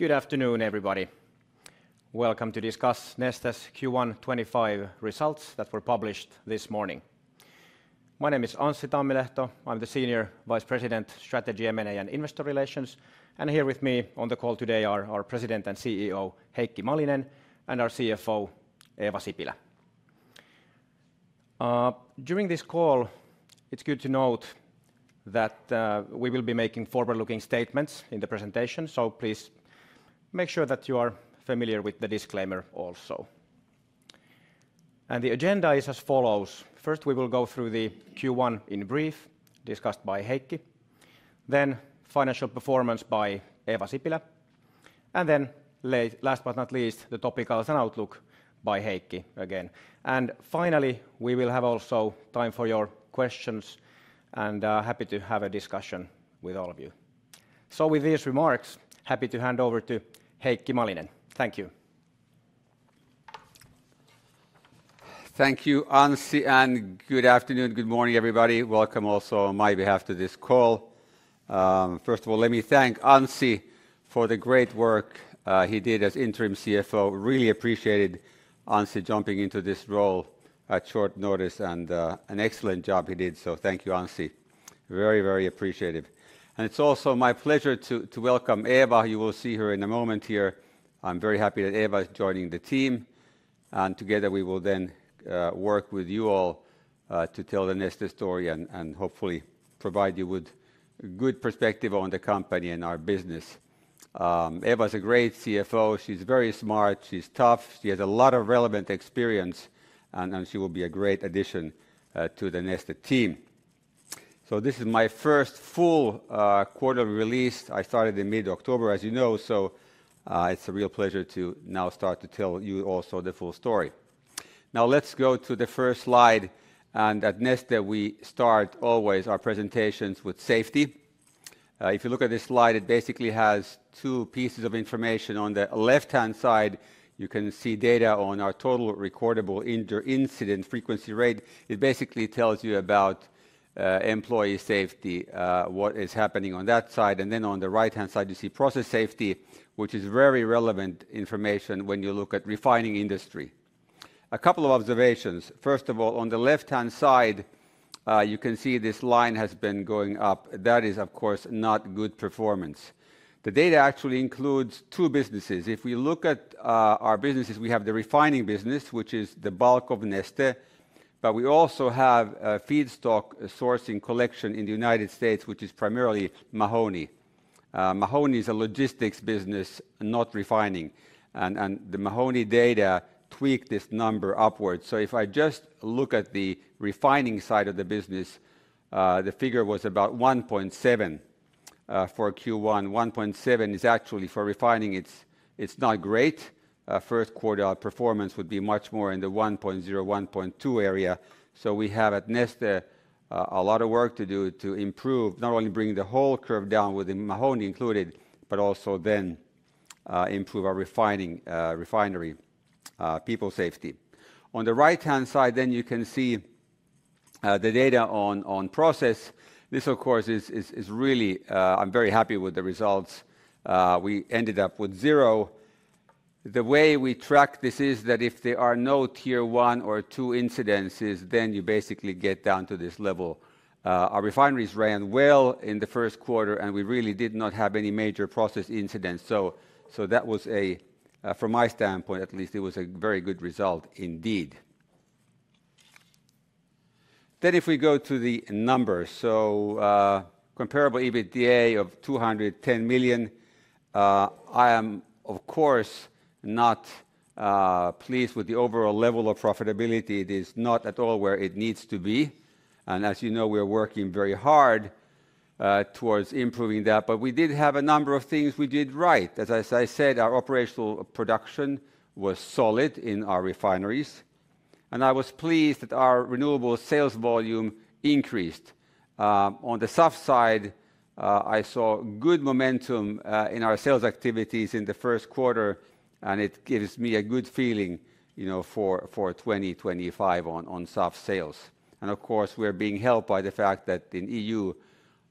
Good afternoon, everybody. Welcome to discuss Neste's Q1 2025 results that were published this morning. My name is Anssi Tammilehto. I'm the Senior Vice President, Strategy, M&A, and Investor Relations. Here with me on the call today are our President and CEO, Heikki Malinen, and our CFO, Eeva Sipilä. During this call, it's good to note that we will be making forward-looking statements in the presentation, so please make sure that you are familiar with the disclaimer also. The agenda is as follows. First, we will go through the Q1 in brief, discussed by Heikki. Then, financial performance by Eeva Sipilä. Last but not least, the topics and outlook by Heikki again. Finally, we will have also time for your questions, and happy to have a discussion with all of you. With these remarks, happy to hand over to Heikki Malinen. Thank you. Thank you, Anssi, and good afternoon, good morning, everybody. Welcome also on my behalf to this call. First of all, let me thank Anssi for the great work he did as interim CFO. Really appreciated Anssi jumping into this role at short notice, and an excellent job he did. Thank you, Anssi. Very, very appreciative. It is also my pleasure to welcome Eeva. You will see her in a moment here. I'm very happy that Eeva is joining the team. Together, we will then work with you all to tell the Neste story and hopefully provide you with good perspective on the company and our business. Eeva is a great CFO. She's very smart. She's tough. She has a lot of relevant experience, and she will be a great addition to the Neste team. This is my first full quarter release. I started in mid-October, as you know, so it's a real pleasure to now start to tell you also the full story. Now, let's go to the first slide. At Neste, we start always our presentations with safety. If you look at this slide, it basically has two pieces of information. On the left-hand side, you can see data on our total recordable incident frequency rate. It basically tells you about employee safety, what is happening on that side. On the right-hand side, you see process safety, which is very relevant information when you look at refining industry. A couple of observations. First of all, on the left-hand side, you can see this line has been going up. That is, of course, not good performance. The data actually includes two businesses. If we look at our businesses, we have the refining business, which is the bulk of Neste, but we also have feedstock sourcing collection in the United States, which is primarily Mahoney. Mahoney is a logistics business, not refining. The Mahoney data tweaked this number upwards. If I just look at the refining side of the business, the figure was about 1.7 for Q1. 1.7 is actually for refining. It's not great. First quarter performance would be much more in the 1.0-1.2 area. We have at Neste a lot of work to do to improve, not only bring the whole curve down with Mahoney included, but also then improve our refinery people safety. On the right-hand side, you can see the data on process. This, of course, is really, I'm very happy with the results. We ended up with zero. The way we track this is that if there are no tier one or two incidences, you basically get down to this level. Our refineries ran well in the first quarter, and we really did not have any major process incidents. That was, from my standpoint at least, a very good result indeed. If we go to the numbers, comparable EBITDA of 210 million, I am, of course, not pleased with the overall level of profitability. It is not at all where it needs to be. As you know, we are working very hard towards improving that. We did have a number of things we did right. As I said, our operational production was solid in our refineries. I was pleased that our renewable sales volume increased. On the SAF side, I saw good momentum in our sales activities in the first quarter, and it gives me a good feeling for 2025 on SAF sales. Of course, we are being helped by the fact that in the EU,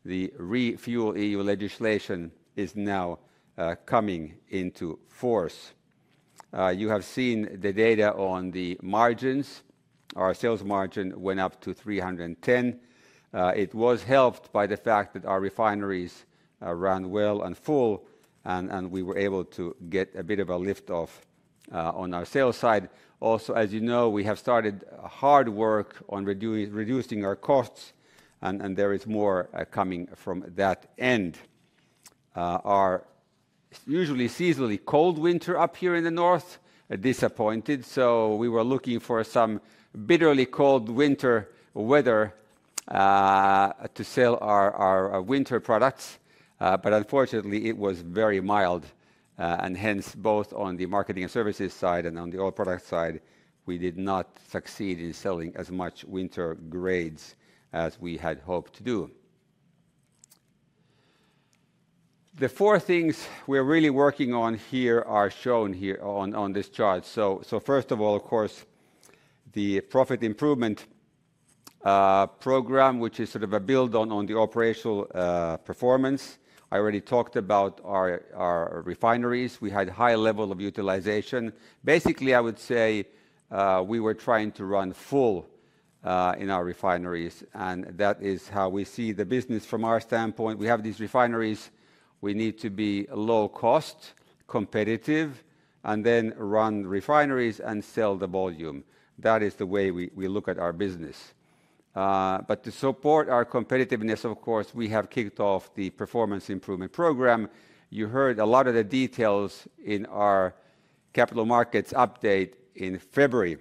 the ReFuelEU legislation is now coming into force. You have seen the data on the margins. Our sales margin went up to $310. It was helped by the fact that our refineries ran well and full, and we were able to get a bit of a lift-off on our sales side. Also, as you know, we have started hard work on reducing our costs, and there is more coming from that end. Our usually seasonally cold winter up here in the north disappointed, so we were looking for some bitterly cold winter weather to sell our winter products. Unfortunately, it was very mild, and hence both on the marketing and services side and on the oil product side, we did not succeed in selling as much winter grades as we had hoped to do. The four things we are really working on here are shown here on this chart. First of all, of course, the profit improvement program, which is sort of a build-on on the operational performance. I already talked about our refineries. We had a high level of utilization. Basically, I would say we were trying to run full in our refineries, and that is how we see the business from our standpoint. We have these refineries. We need to be low cost, competitive, and then run refineries and sell the volume. That is the way we look at our business. To support our competitiveness, of course, we have kicked off the performance improvement program. You heard a lot of the details in our capital markets update in February.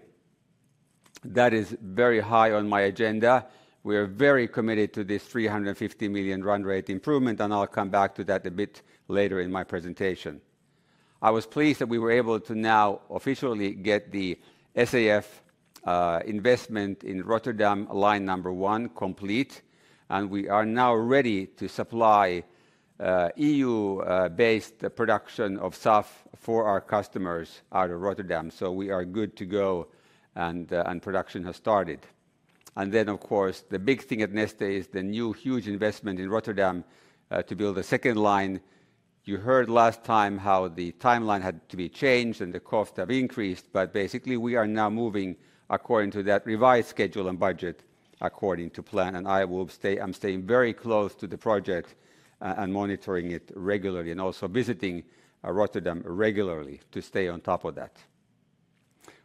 That is very high on my agenda. We are very committed to this 350 million run rate improvement, and I'll come back to that a bit later in my presentation. I was pleased that we were able to now officially get the SAF investment in Rotterdam, line number one, complete, and we are now ready to supply EU-based production of SAF for our customers out of Rotterdam. We are good to go, and production has started. Of course, the big thing at Neste is the new huge investment in Rotterdam to build a second line. You heard last time how the timeline had to be changed and the costs have increased, but basically we are now moving according to that revised schedule and budget according to plan. I will say I'm staying very close to the project and monitoring it regularly and also visiting Rotterdam regularly to stay on top of that.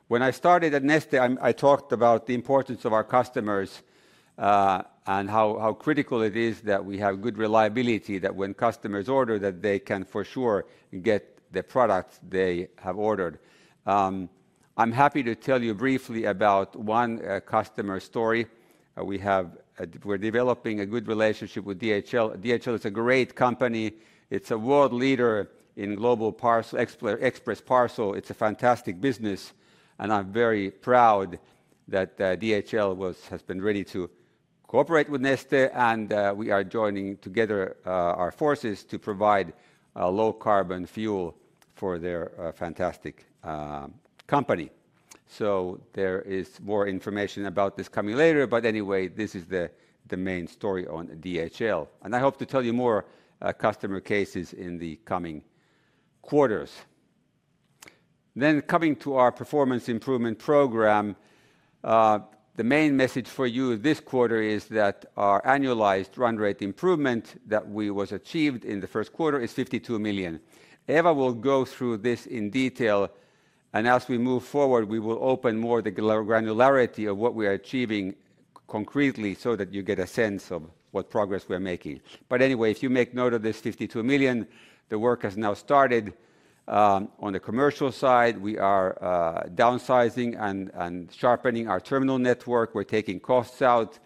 When I started at Neste, I talked about the importance of our customers and how critical it is that we have good reliability, that when customers order, that they can for sure get the products they have ordered. I'm happy to tell you briefly about one customer story. We are developing a good relationship with DHL. DHL is a great company. It's a world leader in global express parcel. It's a fantastic business, and I'm very proud that DHL has been ready to cooperate with Neste, and we are joining together our forces to provide low carbon fuel for their fantastic company. There is more information about this coming later, but anyway, this is the main story on DHL. I hope to tell you more customer cases in the coming quarters. Coming to our performance improvement program, the main message for you this quarter is that our annualized run rate improvement that was achieved in the first quarter is 52 million. Eeva will go through this in detail, and as we move forward, we will open more the granularity of what we are achieving concretely so that you get a sense of what progress we are making. If you make note of this 52 million, the work has now started. On the commercial side, we are downsizing and sharpening our terminal network. We're taking costs out.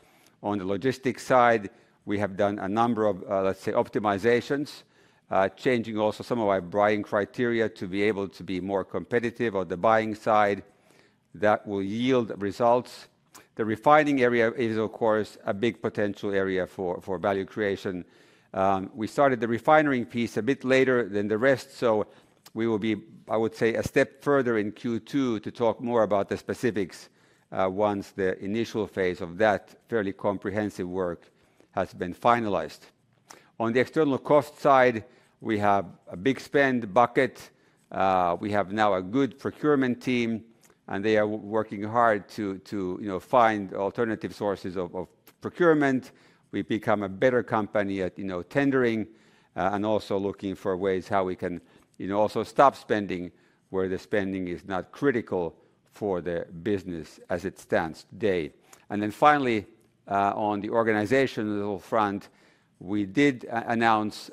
On the logistics side, we have done a number of, let's say, optimizations, changing also some of our buying criteria to be able to be more competitive on the buying side. That will yield results. The refining area is, of course, a big potential area for value creation. We started the refinery piece a bit later than the rest, so we will be, I would say, a step further in Q2 to talk more about the specifics once the initial phase of that fairly comprehensive work has been finalized. On the external cost side, we have a big spend bucket. We have now a good procurement team, and they are working hard to find alternative sources of procurement. We've become a better company at tendering and also looking for ways how we can also stop spending where the spending is not critical for the business as it stands today. Finally, on the organizational front, we did announce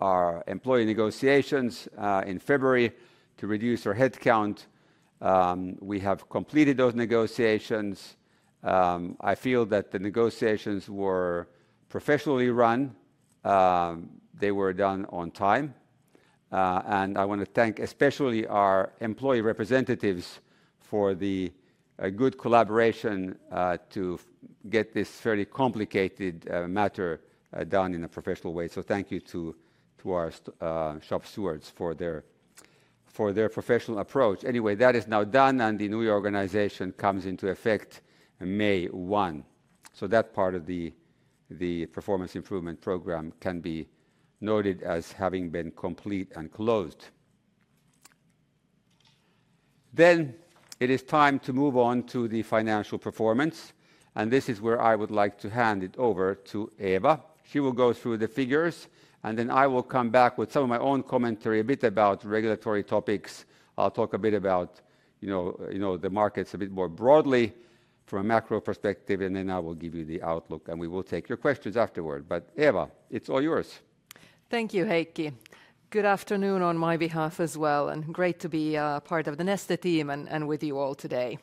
our employee negotiations in February to reduce our headcount. We have completed those negotiations. I feel that the negotiations were professionally run. They were done on time. I want to thank especially our employee representatives for the good collaboration to get this fairly complicated matter done in a professional way. Thank you to our shop stewards for their professional approach. Anyway, that is now done, and the new organization comes into effect May 1. That part of the performance improvement program can be noted as having been complete and closed. It is time to move on to the financial performance, and this is where I would like to hand it over to Eeva. She will go through the figures, and then I will come back with some of my own commentary a bit about regulatory topics. I will talk a bit about the markets a bit more broadly from a macro perspective, and then I will give you the outlook, and we will take your questions afterward. Eeva, it's all yours. Thank you, Heikki. Good afternoon on my behalf as well, and great to be part of the Neste team and with you all today.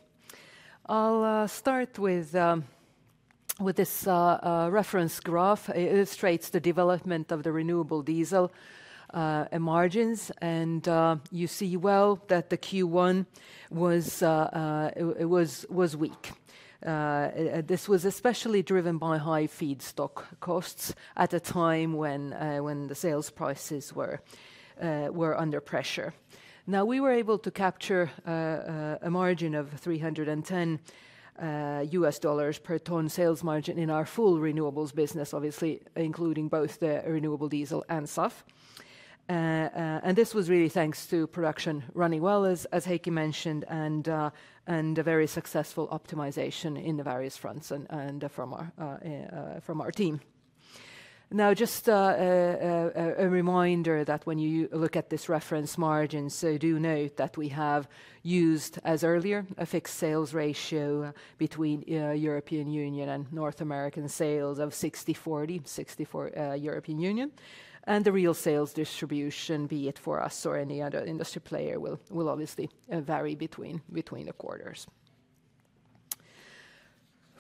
I'll start with this reference graph. It illustrates the development of the renewable diesel margins, and you see well that the Q1 was weak. This was especially driven by high feedstock costs at a time when the sales prices were under pressure. Now, we were able to capture a margin of $310 per ton sales margin in our full renewables business, obviously including both the renewable diesel and SAF. This was really thanks to production running well, as Heikki mentioned, and a very successful optimization in the various fronts from our team. Now, just a reminder that when you look at this reference margins, do note that we have used, as earlier, a fixed sales ratio between European Union and North American sales of 60/40, 60 for European Union, and the real sales distribution, be it for us or any other industry player, will obviously vary between the quarters.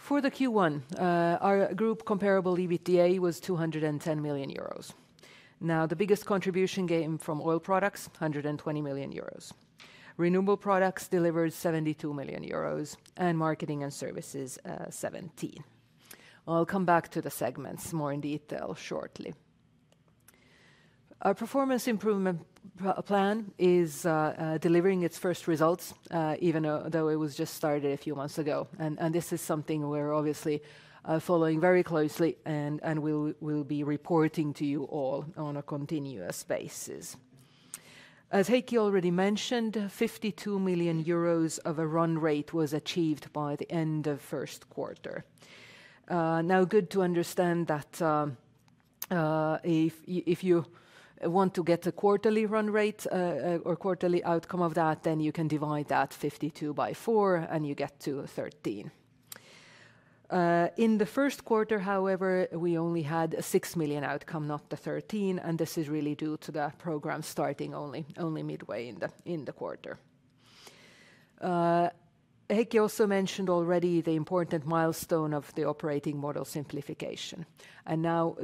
For the Q1, our group comparable EBITDA was 210 million euros. Now, the biggest contribution came from oil products, 120 million euros. Renewable Products delivered 72 million euros, and Marketing & Services 17 million. I'll come back to the segments more in detail shortly. Our performance improvement plan is delivering its first results, even though it was just started a few months ago. This is something we're obviously following very closely, and we'll be reporting to you all on a continuous basis. As Heikki already mentioned, 52 million euros of a run rate was achieved by the end of first quarter. Now, good to understand that if you want to get a quarterly run rate or quarterly outcome of that, then you can divide that 52 by 4, and you get to 13. In the first quarter, however, we only had a 6 million outcome, not the 13, and this is really due to the program starting only midway in the quarter. Heikki also mentioned already the important milestone of the operating model simplification. Now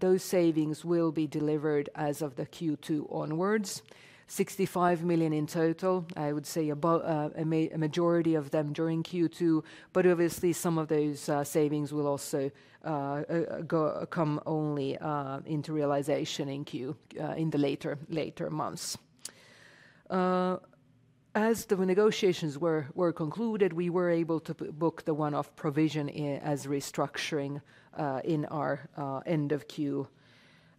those savings will be delivered as of the Q2 onwards, 65 million in total. I would say a majority of them during Q2, but obviously some of those savings will also come only into realization in Q in the later months. As the negotiations were concluded, we were able to book the one-off provision as restructuring in our end of Q,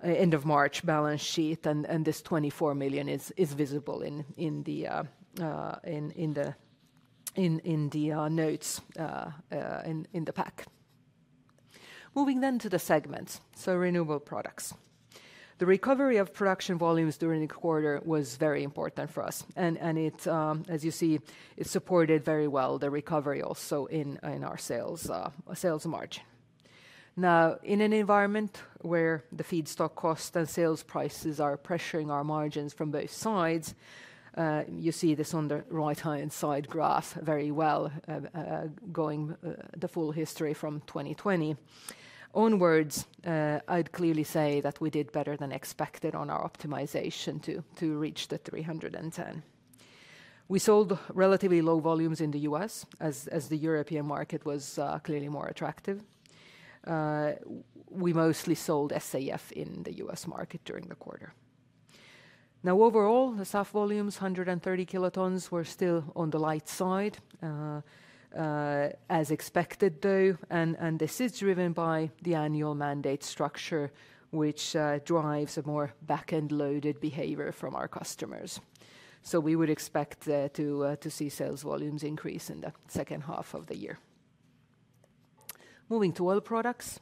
end of March balance sheet, and this 24 million is visible in the notes in the pack. Moving then to the segments, renewable products. The recovery of production volumes during the quarter was very important for us, and as you see, it supported very well the recovery also in our sales margin. Now, in an environment where the feedstock costs and sales prices are pressuring our margins from both sides, you see this on the right-hand side graph very well, going the full history from 2020. Onwards, I'd clearly say that we did better than expected on our optimization to reach the $310. We sold relatively low volumes in the U.S. as the European market was clearly more attractive. We mostly sold SAF in the U.S. market during the quarter. Now, overall, the SAF volumes, 130 kt, were still on the light side, as expected though, and this is driven by the annual mandate structure, which drives a more back-end loaded behavior from our customers. We would expect to see sales volumes increase in the second half of the year. Moving to oil products,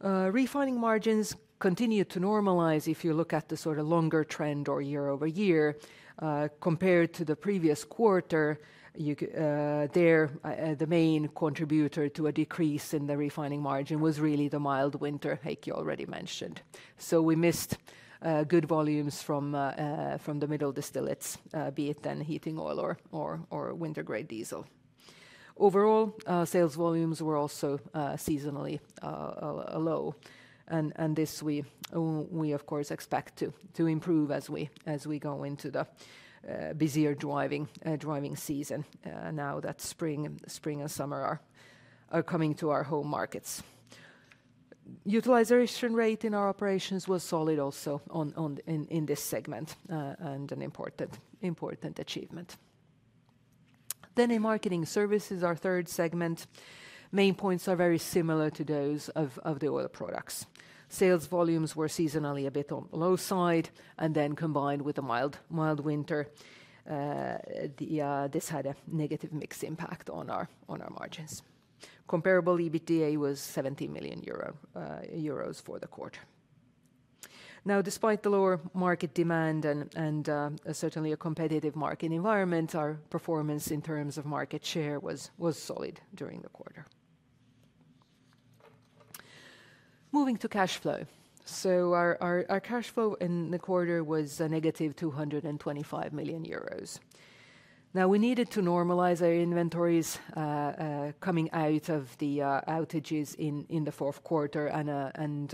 refining margins continued to normalize if you look at the sort of longer trend or year over year. Compared to the previous quarter, the main contributor to a decrease in the refining margin was really the mild winter, Heikki already mentioned. We missed good volumes from the middle distillates, be it then heating oil or winter grade diesel. Overall, sales volumes were also seasonally low, and this we, of course, expect to improve as we go into the busier driving season now that spring and summer are coming to our home markets. Utilization rate in our operations was solid also in this segment and an important achievement. In marketing and services, our third segment, main points are very similar to those of the oil products. Sales volumes were seasonally a bit on the low side, and then combined with a mild winter, this had a negative mixed impact on our margins. Comparable EBITDA was 17 million euros for the quarter. Now, despite the lower market demand and certainly a competitive market environment, our performance in terms of market share was solid during the quarter. Moving to cash flow. Our cash flow in the quarter was a negative 225 million euros. Now, we needed to normalize our inventories coming out of the outages in the fourth quarter and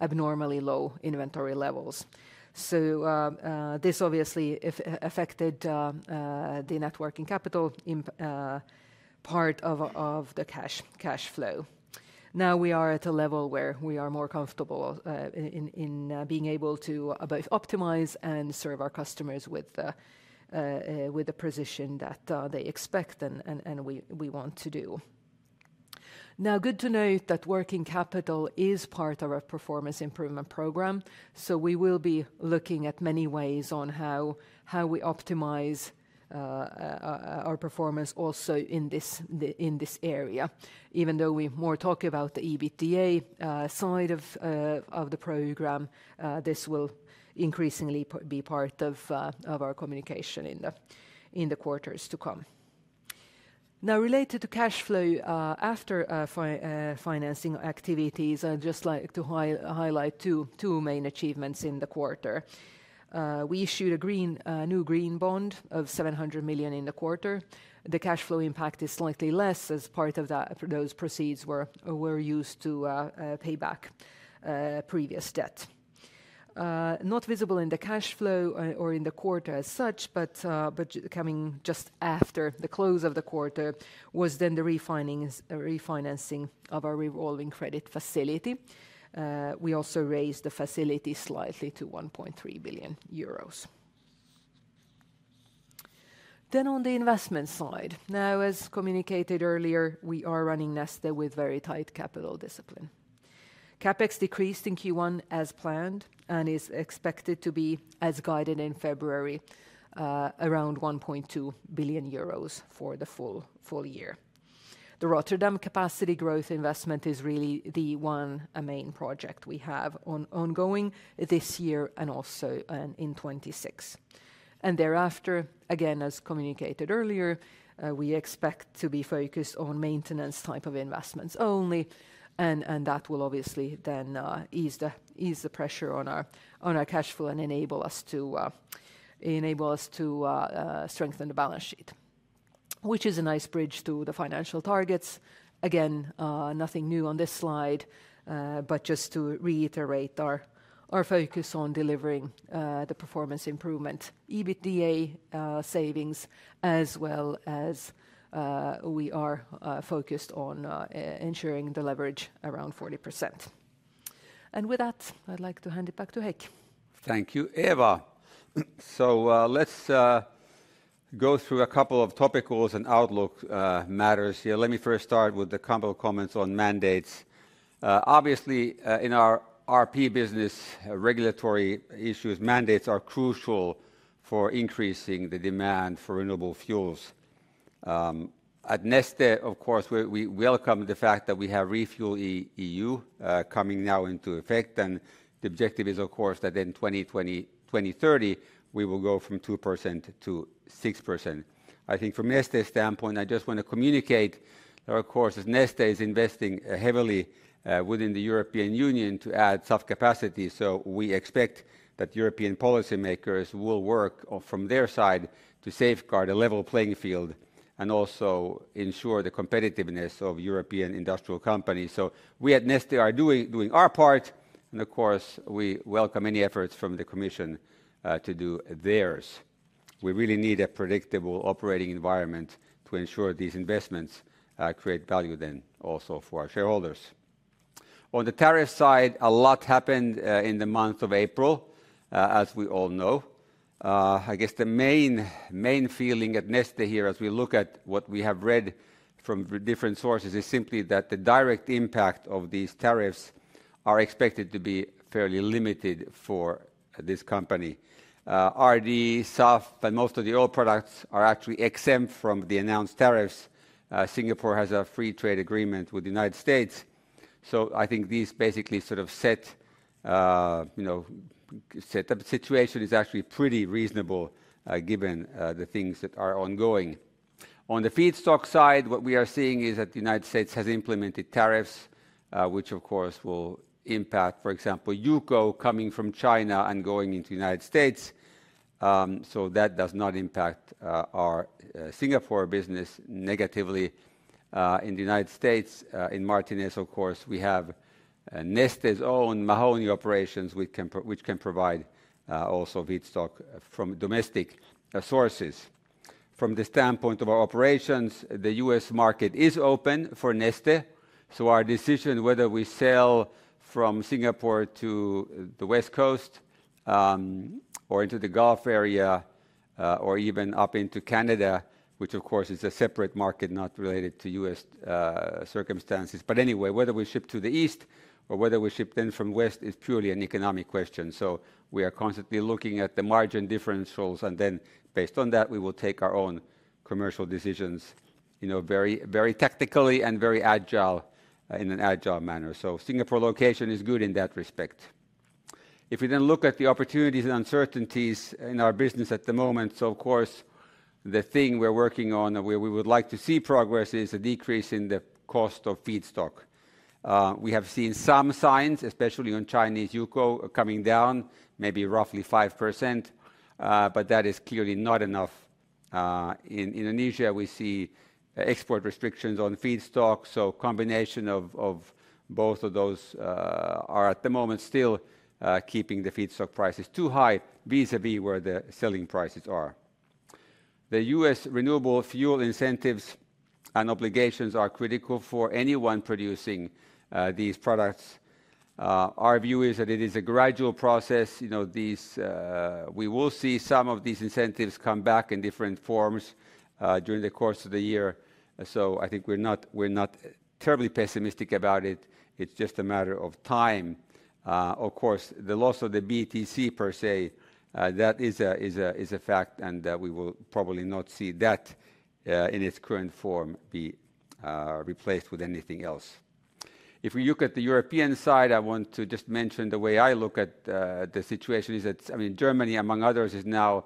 abnormally low inventory levels. This obviously affected the net working capital part of the cash flow. Now we are at a level where we are more comfortable in being able to both optimize and serve our customers with the position that they expect and we want to do. Good to note that working capital is part of our performance improvement program, so we will be looking at many ways on how we optimize our performance also in this area. Even though we more talk about the EBITDA side of the program, this will increasingly be part of our communication in the quarters to come. Now, related to cash flow after financing activities, I'd just like to highlight two main achievements in the quarter. We issued a new green bond of 700 million in the quarter. The cash flow impact is slightly less as part of those proceeds were used to pay back previous debt. Not visible in the cash flow or in the quarter as such, but coming just after the close of the quarter was the refinancing of our revolving credit facility. We also raised the facility slightly to 1.3 billion euros. On the investment side, as communicated earlier, we are running Neste with very tight capital discipline. CapEx decreased in Q1 as planned and is expected to be as guided in February around 1.2 billion euros for the full year. The Rotterdam capacity growth investment is really the one main project we have ongoing this year and also in 2026. Thereafter, again, as communicated earlier, we expect to be focused on maintenance type of investments only, and that will obviously then ease the pressure on our cash flow and enable us to strengthen the balance sheet, which is a nice bridge to the financial targets. Again, nothing new on this slide, but just to reiterate our focus on delivering the performance improvement EBITDA savings as well as we are focused on ensuring the leverage around 40%. With that, I'd like to hand it back to Heikki. Thank you, Eeva. Let's go through a couple of topicals and outlook matters here. Let me first start with a couple of comments on mandates. Obviously, in our RP business, regulatory issues, mandates are crucial for increasing the demand for renewable fuels. At Neste, of course, we welcome the fact that we have ReFuelEU coming now into effect, and the objective is, of course, that in 2030, we will go from 2% to 6%. I think from Neste's standpoint, I just want to communicate that, of course, Neste is investing heavily within the European Union to add SAF capacity, so we expect that European policymakers will work from their side to safeguard a level playing field and also ensure the competitiveness of European industrial companies. We at Neste are doing our part, and of course, we welcome any efforts from the Commission to do theirs. We really need a predictable operating environment to ensure these investments create value then also for our shareholders. On the tariff side, a lot happened in the month of April, as we all know. I guess the main feeling at Neste here, as we look at what we have read from different sources, is simply that the direct impact of these tariffs are expected to be fairly limited for this company. RD, SAF, and most of the oil products are actually exempt from the announced tariffs. Singapore has a free trade agreement with the United States. I think these basically sort of set up a situation that is actually pretty reasonable given the things that are ongoing. On the feedstock side, what we are seeing is that the United States has implemented tariffs, which of course will impact, for example, UCO coming from China and going into the United States. That does not impact our Singapore business negatively. In the United States, in Martinez, of course, we have Neste's own Mahoney operations, which can provide also feedstock from domestic sources. From the standpoint of our operations, the U.S. market is open for Neste, so our decision whether we sell from Singapore to the West Coast or into the Gulf area or even up into Canada, which of course is a separate market not related to U.S. circumstances. Anyway, whether we ship to the East or whether we ship then from West is purely an economic question. We are constantly looking at the margin differentials, and then based on that, we will take our own commercial decisions very tactically and in an agile manner. Singapore location is good in that respect. If we then look at the opportunities and uncertainties in our business at the moment, of course the thing we're working on and where we would like to see progress is a decrease in the cost of feedstock. We have seen some signs, especially on Chinese UCO, coming down maybe roughly 5%, but that is clearly not enough. In Indonesia, we see export restrictions on feedstock, so a combination of both of those are at the moment still keeping the feedstock prices too high vis-à-vis where the selling prices are. The U.S. renewable fuel incentives and obligations are critical for anyone producing these products. Our view is that it is a gradual process. We will see some of these incentives come back in different forms during the course of the year, so I think we're not terribly pessimistic about it. It's just a matter of time. Of course, the loss of the BTC per se, that is a fact, and we will probably not see that in its current form be replaced with anything else. If we look at the European side, I want to just mention the way I look at the situation is that, I mean, Germany, among others, is now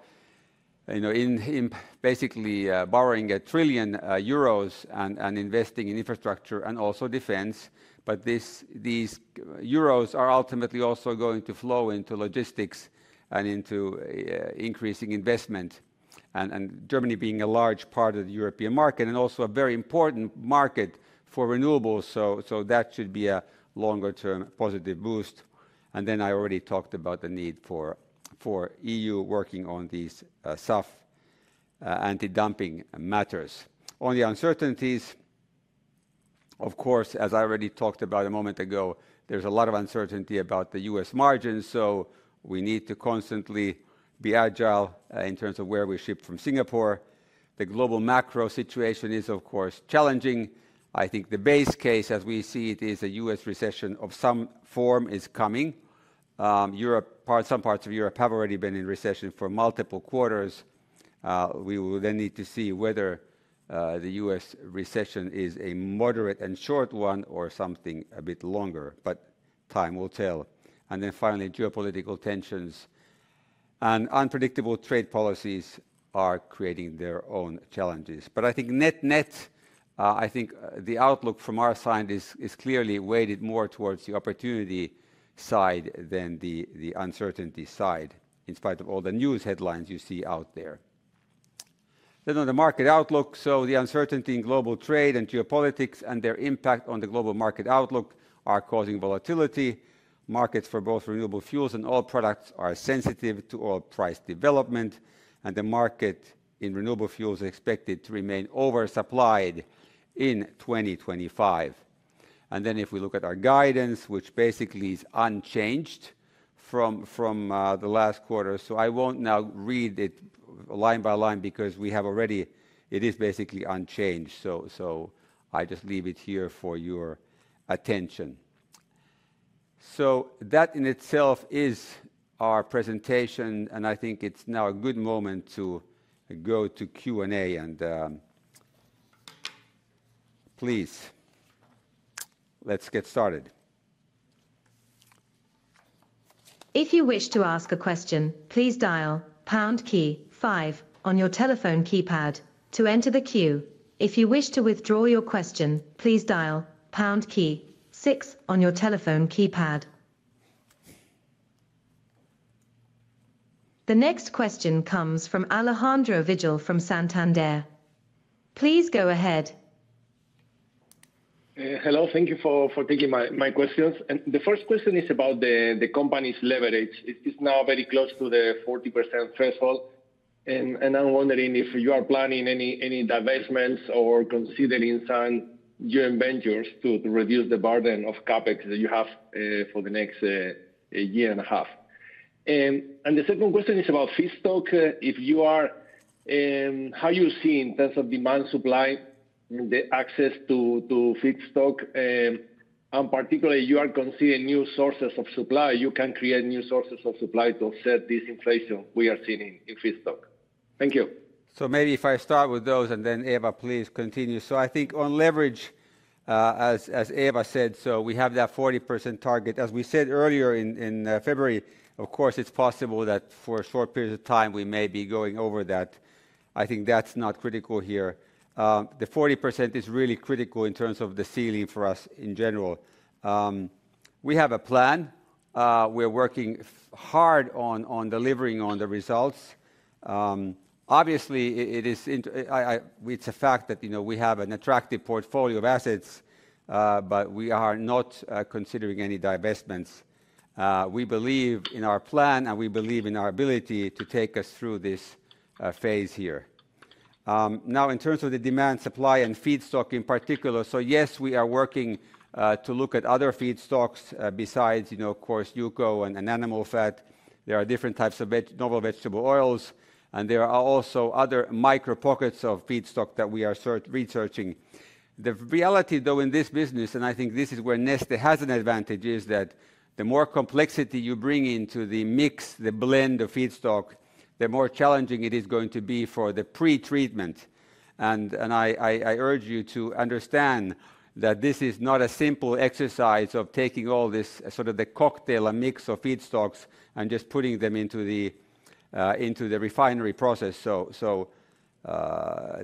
basically borrowing 1 trillion euros and investing in infrastructure and also defense, but these euros are ultimately also going to flow into logistics and into increasing investment. Germany is a large part of the European market and also a very important market for renewables, so that should be a longer-term positive boost. I already talked about the need for EU working on these SAF anti-dumping matters. On the uncertainties, of course, as I already talked about a moment ago, there is a lot of uncertainty about the U.S. margins, so we need to constantly be agile in terms of where we ship from Singapore. The global macro situation is, of course, challenging. I think the base case, as we see it, is a U.S. recession of some form is coming. Some parts of Europe have already been in recession for multiple quarters. We will then need to see whether the U.S. recession is a moderate and short one or something a bit longer, but time will tell. Geopolitical tensions and unpredictable trade policies are creating their own challenges. I think net-net, the outlook from our side is clearly weighted more towards the opportunity side than the uncertainty side in spite of all the news headlines you see out there. On the market outlook, the uncertainty in global trade and geopolitics and their impact on the global market outlook are causing volatility. Markets for both renewable fuels and oil products are sensitive to oil price development, and the market in renewable fuels is expected to remain oversupplied in 2025. If we look at our guidance, which basically is unchanged from the last quarter, I will not now read it line by line because we have already, it is basically unchanged, so I just leave it here for your attention. That in itself is our presentation, and I think it's now a good moment to go to Q&A, and please, let's get started. If you wish to ask a question, please dial pound key five on your telephone keypad to enter the queue. If you wish to withdraw your question, please dial pound key six on your telephone keypad. The next question comes from Alejandro Vigil from Santander. Please go ahead. Hello, thank you for taking my questions. The first question is about the company's leverage. It's now very close to the 40% threshold, and I'm wondering if you are planning any divestments or considering some new ventures to reduce the burden of CapEx that you have for the next year and a half. The second question is about feedstock. How are you seeing in terms of demand supply and the access to feedstock? In particular, you are considering new sources of supply. You can create new sources of supply to set this inflation we are seeing in feedstock. Thank you. Maybe if I start with those and then Eeva, please continue. I think on leverage, as Eeva said, we have that 40% target. As we said earlier in February, of course, it is possible that for a short period of time we may be going over that. I think that is not critical here. The 40% is really critical in terms of the ceiling for us in general. We have a plan. We are working hard on delivering on the results. Obviously, it is a fact that we have an attractive portfolio of assets, but we are not considering any divestments. We believe in our plan, and we believe in our ability to take us through this phase here. In terms of the demand supply and feedstock in particular, yes, we are working to look at other feedstocks besides, of course, UCO and animal fat. There are different types of novel vegetable oils, and there are also other micro pockets of feedstock that we are researching. The reality, though, in this business, and I think this is where Neste has an advantage, is that the more complexity you bring into the mix, the blend of feedstock, the more challenging it is going to be for the pretreatment. I urge you to understand that this is not a simple exercise of taking all this, sort of the cocktail, a mix of feedstocks and just putting them into the refinery process. There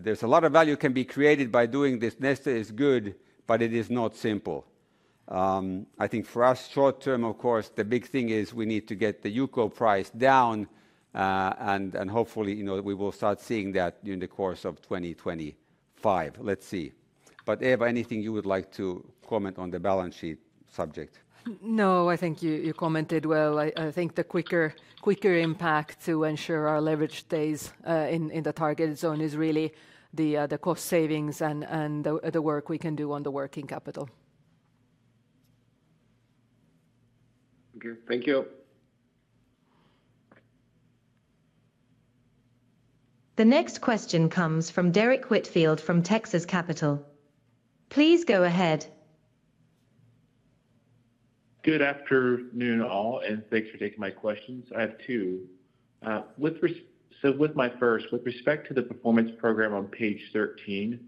is a lot of value that can be created by doing this. Neste is good, but it is not simple. I think for us, short term, of course, the big thing is we need to get the UCO price down, and hopefully we will start seeing that in the course of 2025. Let's see. Eeva, anything you would like to comment on the balance sheet subject? No, I think you commented well. I think the quicker impact to ensure our leverage stays in the target zone is really the cost savings and the work we can do on the working capital. Thank you. The next question comes from Derrick Whitfield from Texas Capital. Please go ahead. Good afternoon all, and thanks for taking my questions. I have two. With my first, with respect to the performance program on page 13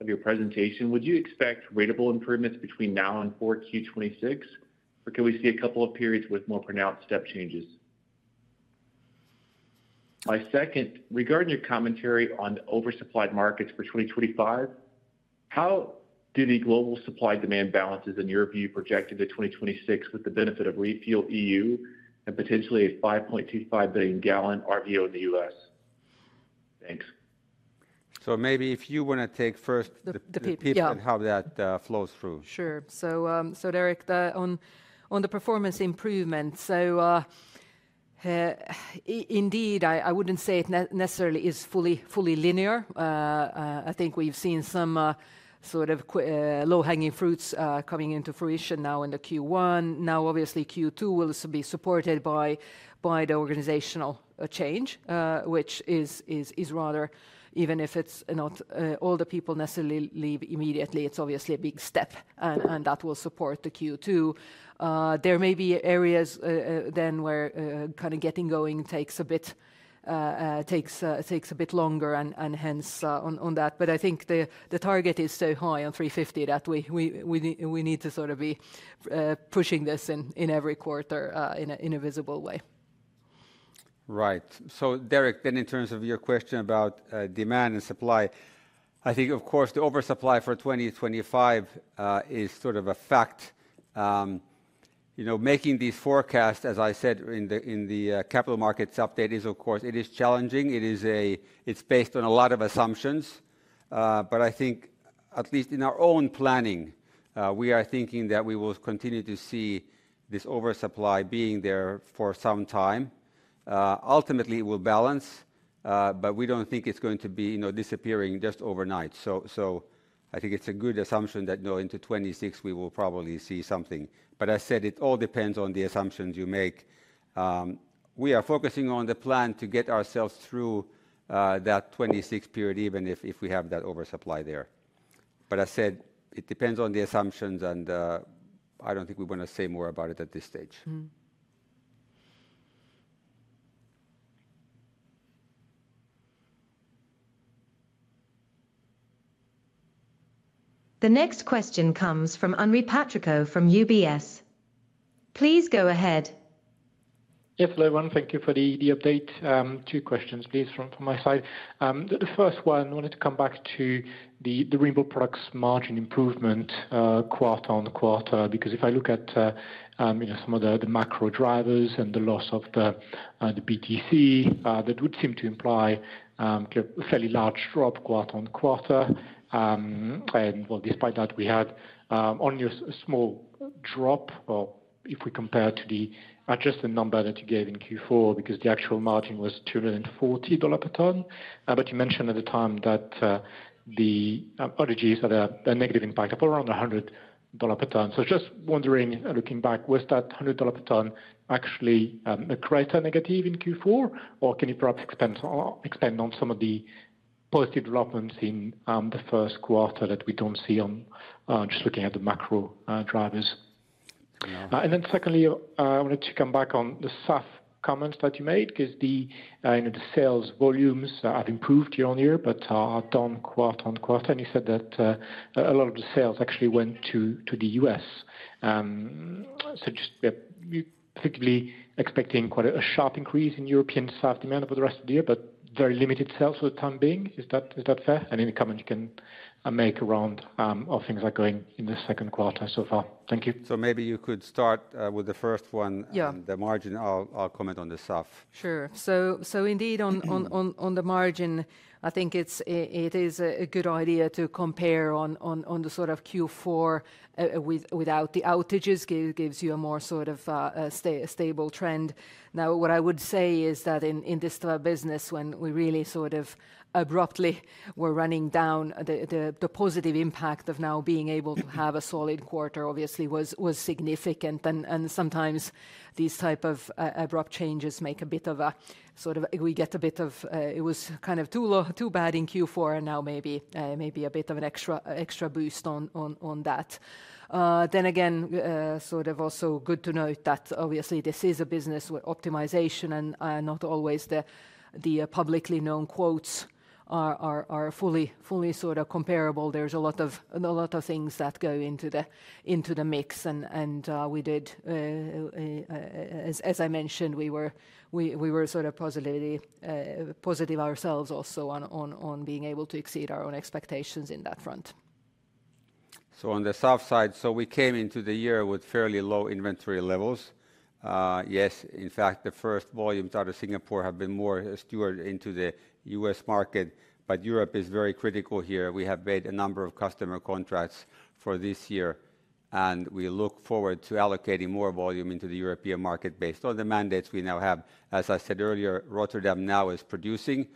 of your presentation, would you expect ratable improvements between now and 4Q 2026, or can we see a couple of periods with more pronounced step changes? My second, regarding your commentary on oversupplied markets for 2025, how do the global supply-demand balances, in your view, projected to 2026 with the benefit of ReFuelEU and potentially a 5.25 billion gallon RVO in the U.S.? Thanks. Maybe if you want to take first the people and how that flows through. Sure. Derrick, on the performance improvements, I wouldn't say it necessarily is fully linear. I think we've seen some sort of low-hanging fruits coming into fruition now in the Q1. Obviously, Q2 will also be supported by the organizational change, which is rather, even if it's not all the people necessarily leave immediately, it's obviously a big step, and that will support the Q2. There may be areas then where kind of getting going takes a bit longer and hence on that. I think the target is so high on 350 that we need to sort of be pushing this in every quarter in a visible way. Right. Derrick, in terms of your question about demand and supply, I think, of course, the oversupply for 2025 is sort of a fact. Making these forecasts, as I said in the capital markets update, is, of course, challenging. It is based on a lot of assumptions, but I think at least in our own planning, we are thinking that we will continue to see this oversupply being there for some time. Ultimately, it will balance, but we do not think it is going to be disappearing just overnight. I think it is a good assumption that into 2026 we will probably see something. I said it all depends on the assumptions you make. We are focusing on the plan to get ourselves through that 2026 period, even if we have that oversupply there. I said it depends on the assumptions, and I don't think we want to say more about it at this stage. The next question comes from Henri Patricot from UBS. Please go ahead. Yes, everyone, thank you for the update. Two questions, please, from my side. The first one, I wanted to come back to the renewable products margin improvement quarter on quarter, because if I look at some of the macro drivers and the loss of the BTC, that would seem to imply a fairly large drop quarter on quarter. Despite that, we had only a small drop, or if we compare to the adjusted number that you gave in Q4, because the actual margin was $240 per ton. You mentioned at the time that the outages had a negative impact of around $100 per ton. Just wondering, looking back, was that $100 per ton actually a greater negative in Q4, or can you perhaps expand on some of the positive developments in the first quarter that we do not see on just looking at the macro drivers? Secondly, I wanted to come back on the SAF comments that you made, because the sales volumes have improved year on year, but are down quarter on quarter. You said that a lot of the sales actually went to the U.S.. Just particularly expecting quite a sharp increase in European SAF demand over the rest of the year, but very limited sales for the time being. Is that fair? Any comment you can make around how things are going in the second quarter so far? Thank you. Maybe you could start with the first one. The margin, I'll comment on the SAF. Sure. Indeed, on the margin, I think it is a good idea to compare on the sort of Q4 without the outages, gives you a more sort of stable trend. Now, what I would say is that in this business, when we really sort of abruptly were running down, the positive impact of now being able to have a solid quarter obviously was significant. Sometimes these type of abrupt changes make a bit of a sort of we get a bit of it was kind of too bad in Q4, and now maybe a bit of an extra boost on that. Again, also good to note that obviously this is a business with optimization, and not always the publicly known quotes are fully sort of comparable. There's a lot of things that go into the mix, and we did, as I mentioned, we were sort of positive ourselves also on being able to exceed our own expectations in that front. On the SAF side, we came into the year with fairly low inventory levels. Yes, in fact, the first volumes out of Singapore have been more steward into the U.S. market, but Europe is very critical here. We have made a number of customer contracts for this year, and we look forward to allocating more volume into the European market based on the mandates we now have. As I said earlier, Rotterdam now is producing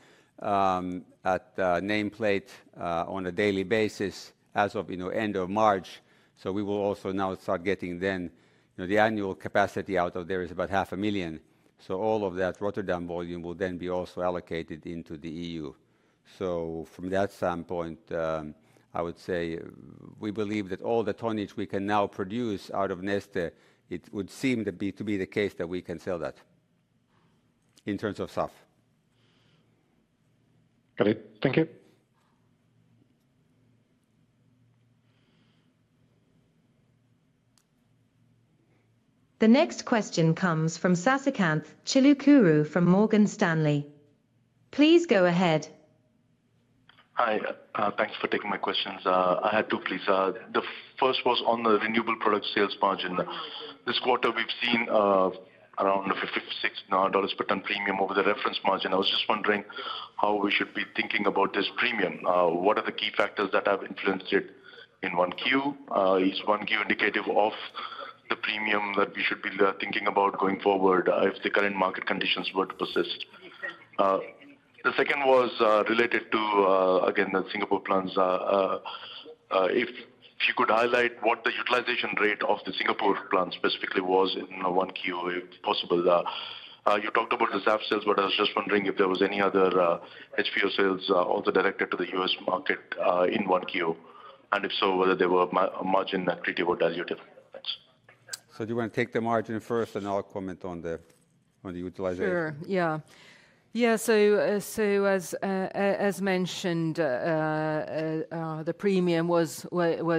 at nameplate on a daily basis as of end of March. We will also now start getting then the annual capacity out of there is about 500,000. All of that Rotterdam volume will then be also allocated into the EU. From that standpoint, I would say we believe that all the tonnage we can now produce out of Neste, it would seem to be the case that we can sell that in terms of SAF. Got it. Thank you. The next question comes from Sasikanth Chilukuru from Morgan Stanley. Please go ahead. Hi, thanks for taking my questions. I had two, please. The first was on the renewable product sales margin. This quarter we've seen around $56 per ton premium over the reference margin. I was just wondering how we should be thinking about this premium? What are the key factors that have influenced it in 1Q? Is 1Q indicative of the premium that we should be thinking about going forward if the current market conditions were to persist? The second was related to, again, the Singapore plants. If you could highlight what the utilization rate of the Singapore plant specifically was in 1Q, if possible. You talked about the SAF sales, but I was just wondering if there was any other RP sales also directed to the U.S. market in 1Q. If so, whether they were margin equity or dilutive? Thanks. Do you want to take the margin first, and I'll comment on the utilization? Sure. Yeah. Yeah, as mentioned, the premium was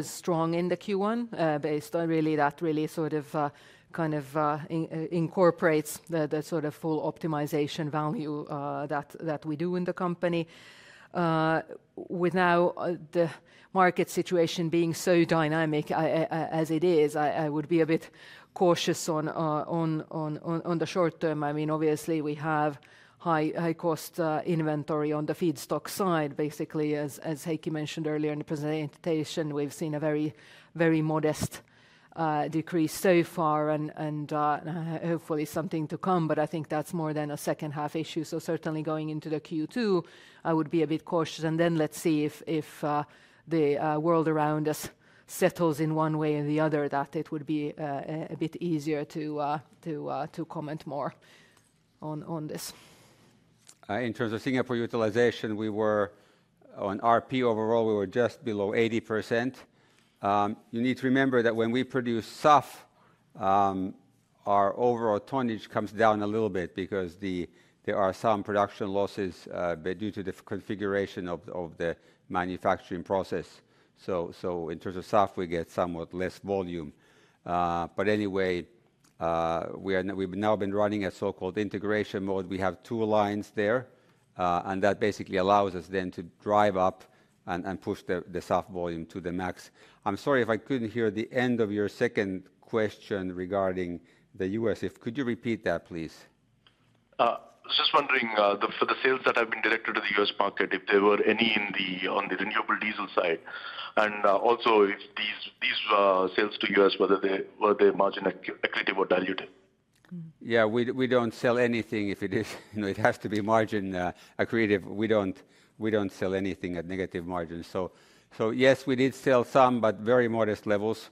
strong in the Q1 based on really that really sort of kind of incorporates the sort of full optimization value that we do in the company. With now the market situation being so dynamic as it is, I would be a bit cautious on the short term. I mean, obviously we have high cost inventory on the feedstock side. Basically, as Heikki mentioned earlier in the presentation, we've seen a very modest decrease so far and hopefully something to come, but I think that's more than a second half issue. Certainly going into the Q2, I would be a bit cautious. Let's see if the world around us settles in one way or the other, that it would be a bit easier to comment more on this. In terms of Singapore utilization, we were on RP overall, we were just below 80%. You need to remember that when we produce SAF, our overall tonnage comes down a little bit because there are some production losses due to the configuration of the manufacturing process. In terms of SAF, we get somewhat less volume. Anyway, we've now been running a so-called integration mode. We have two lines there, and that basically allows us then to drive up and push the SAF volume to the max. I'm sorry if I couldn't hear the end of your second question regarding the U.S.. Could you repeat that, please? Just wondering, for the sales that have been directed to the U.S. market, if there were any on the renewable diesel side? And also if these sales to U.S., whether they're margin equity or dilutive? Yeah, we don't sell anything if it has to be margin accretive. We don't sell anything at negative margins. Yes, we did sell some, but very modest levels.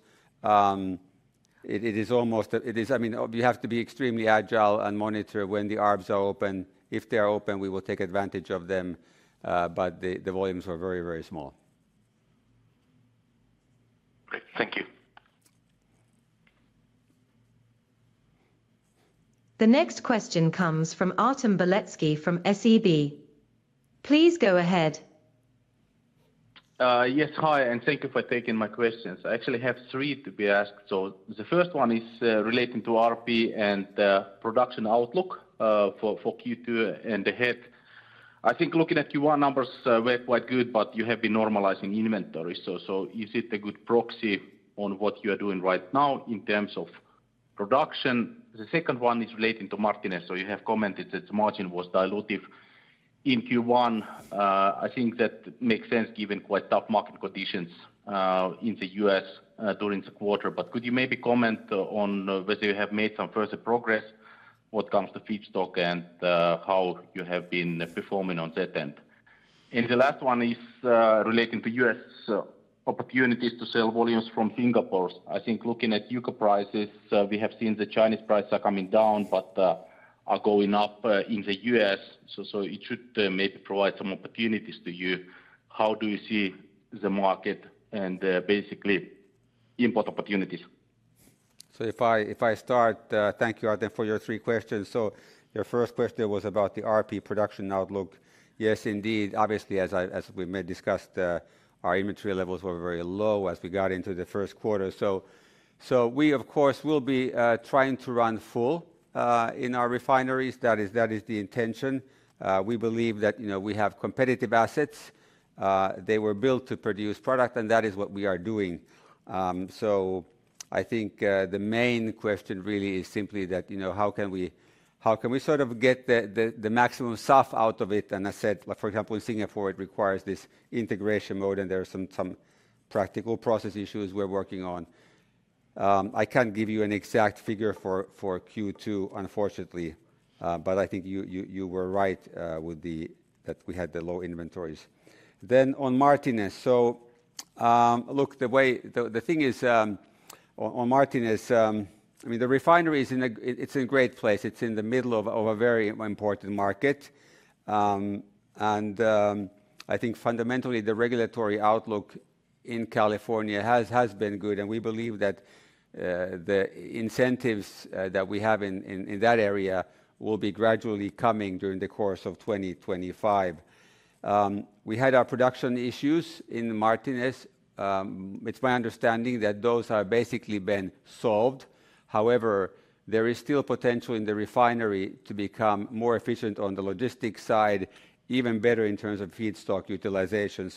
It is almost, I mean, you have to be extremely agile and monitor when the ARBs are open. If they're open, we will take advantage of them, but the volumes were very, very small. Great. Thank you. The next question comes from Artem Beletski from SEB. Please go ahead. Yes, hi, and thank you for taking my questions. I actually have three to be asked. The first one is relating to RP and production outlook for Q2 and ahead. I think looking at Q1 numbers were quite good, but you have been normalizing inventory. Is it a good proxy on what you are doing right now in terms of production? The second one is relating to Martinez. You have commented that the margin was dilutive in Q1. I think that makes sense given quite tough market conditions in the U.S. during the quarter. Could you maybe comment on whether you have made some further progress, what comes to feedstock, and how you have been performing on that end? The last one is relating to U.S. opportunities to sell volumes from Singapore. I think looking at U.K. prices, we have seen the Chinese prices are coming down, but are going up in the U.S. It should maybe provide some opportunities to you. How do you see the market and basically import opportunities? If I start, thank you, Artem, for your three questions. Your first question was about the RP production outlook. Yes, indeed. Obviously, as we may discuss, our inventory levels were very low as we got into the first quarter. We, of course, will be trying to run full in our refineries. That is the intention. We believe that we have competitive assets. They were built to produce product, and that is what we are doing. I think the main question really is simply that how can we sort of get the maximum SAF out of it? I said, for example, in Singapore, it requires this integration mode, and there are some practical process issues we're working on. I can't give you an exact figure for Q2, unfortunately, but I think you were right that we had the low inventories. On Martinet. Look, the thing is on Martinez, I mean, the refinery is in a great place. It's in the middle of a very important market. I think fundamentally the regulatory outlook in California has been good, and we believe that the incentives that we have in that area will be gradually coming during the course of 2025. We had our production issues in Martinez. It's my understanding that those have basically been solved. However, there is still potential in the refinery to become more efficient on the logistics side, even better in terms of feedstock utilization.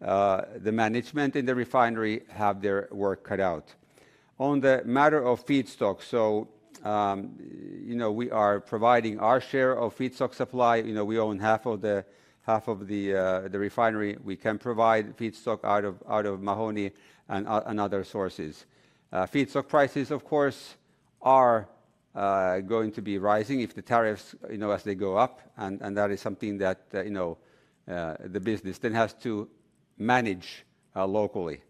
The management in the refinery have their work cut out. On the matter of feedstock, we are providing our share of feedstock supply. We own half of the refinery. We can provide feedstock out of Mahoney and other sources. Feedstock prices, of course, are going to be rising if the tariffs, as they go up, and that is something that the business then has to manage locally.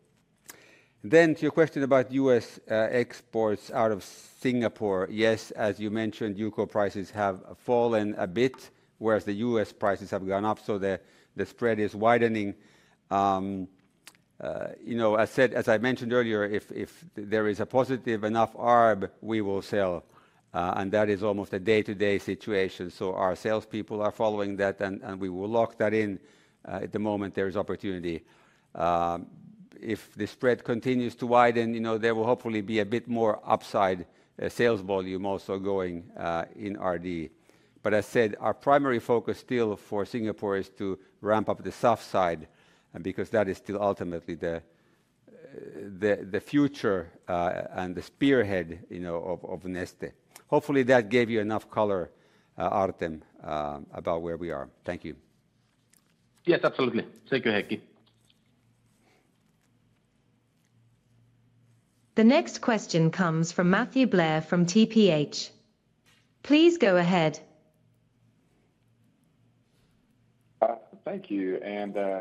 To your question about U.S. exports out of Singapore, yes, as you mentioned, UCO prices have fallen a bit, whereas the U.S. prices have gone up, so the spread is widening. As I mentioned earlier, if there is a positive enough ARB, we will sell. That is almost a day-to-day situation. Our salespeople are following that, and we will lock that in at the moment there is opportunity. If the spread continues to widen, there will hopefully be a bit more upside sales volume also going in RD. As I said, our primary focus still for Singapore is to ramp up the SAF side, because that is still ultimately the future and the spearhead of Neste. Hopefully that gave you enough color, Artem, about where we are. Thank you. Yes, absolutely. Thank you, Heikki. The next question comes from Matthew Blair from TPH. Please go ahead. Thank you.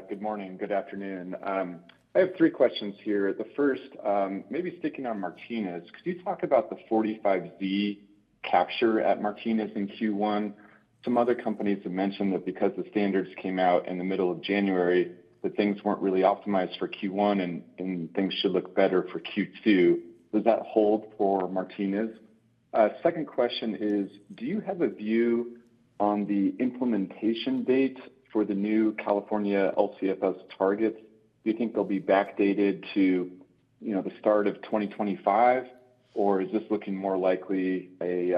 Good morning, good afternoon. I have three questions here. The first, maybe sticking on Martinez, could you talk about the 45Z capture at Martinez in Q1? Some other companies have mentioned that because the standards came out in the middle of January, that things were not really optimized for Q1, and things should look better for Q2. Does that hold for Martinez? Second question is, do you have a view on the implementation date for the new California LCFS targets? Do you think they will be backdated to the start of 2025, or is this looking more likely a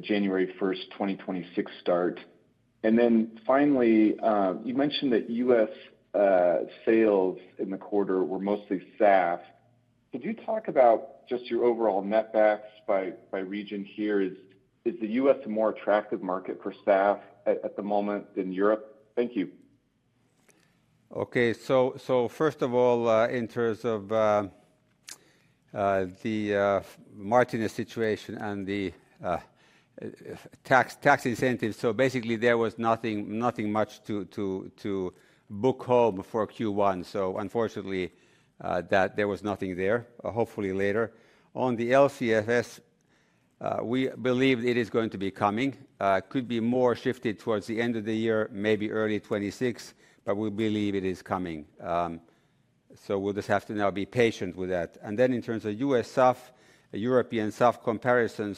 January 1, 2026 start? Finally, you mentioned that U.S. sales in the quarter were mostly SAF. Could you talk about just your overall netbacks by region here? Is the U.S. a more attractive market for SAF at the moment than Europe? Thank you. Okay. First of all, in terms of the Martinez situation and the tax incentives, basically there was nothing much to book home for Q1. Unfortunately, there was nothing there. Hopefully later. On the LCFS, we believe it is going to be coming. It could be more shifted towards the end of the year, maybe early 2026, but we believe it is coming. We will just have to now be patient with that. In terms of U.S. SAF, European SAF comparison,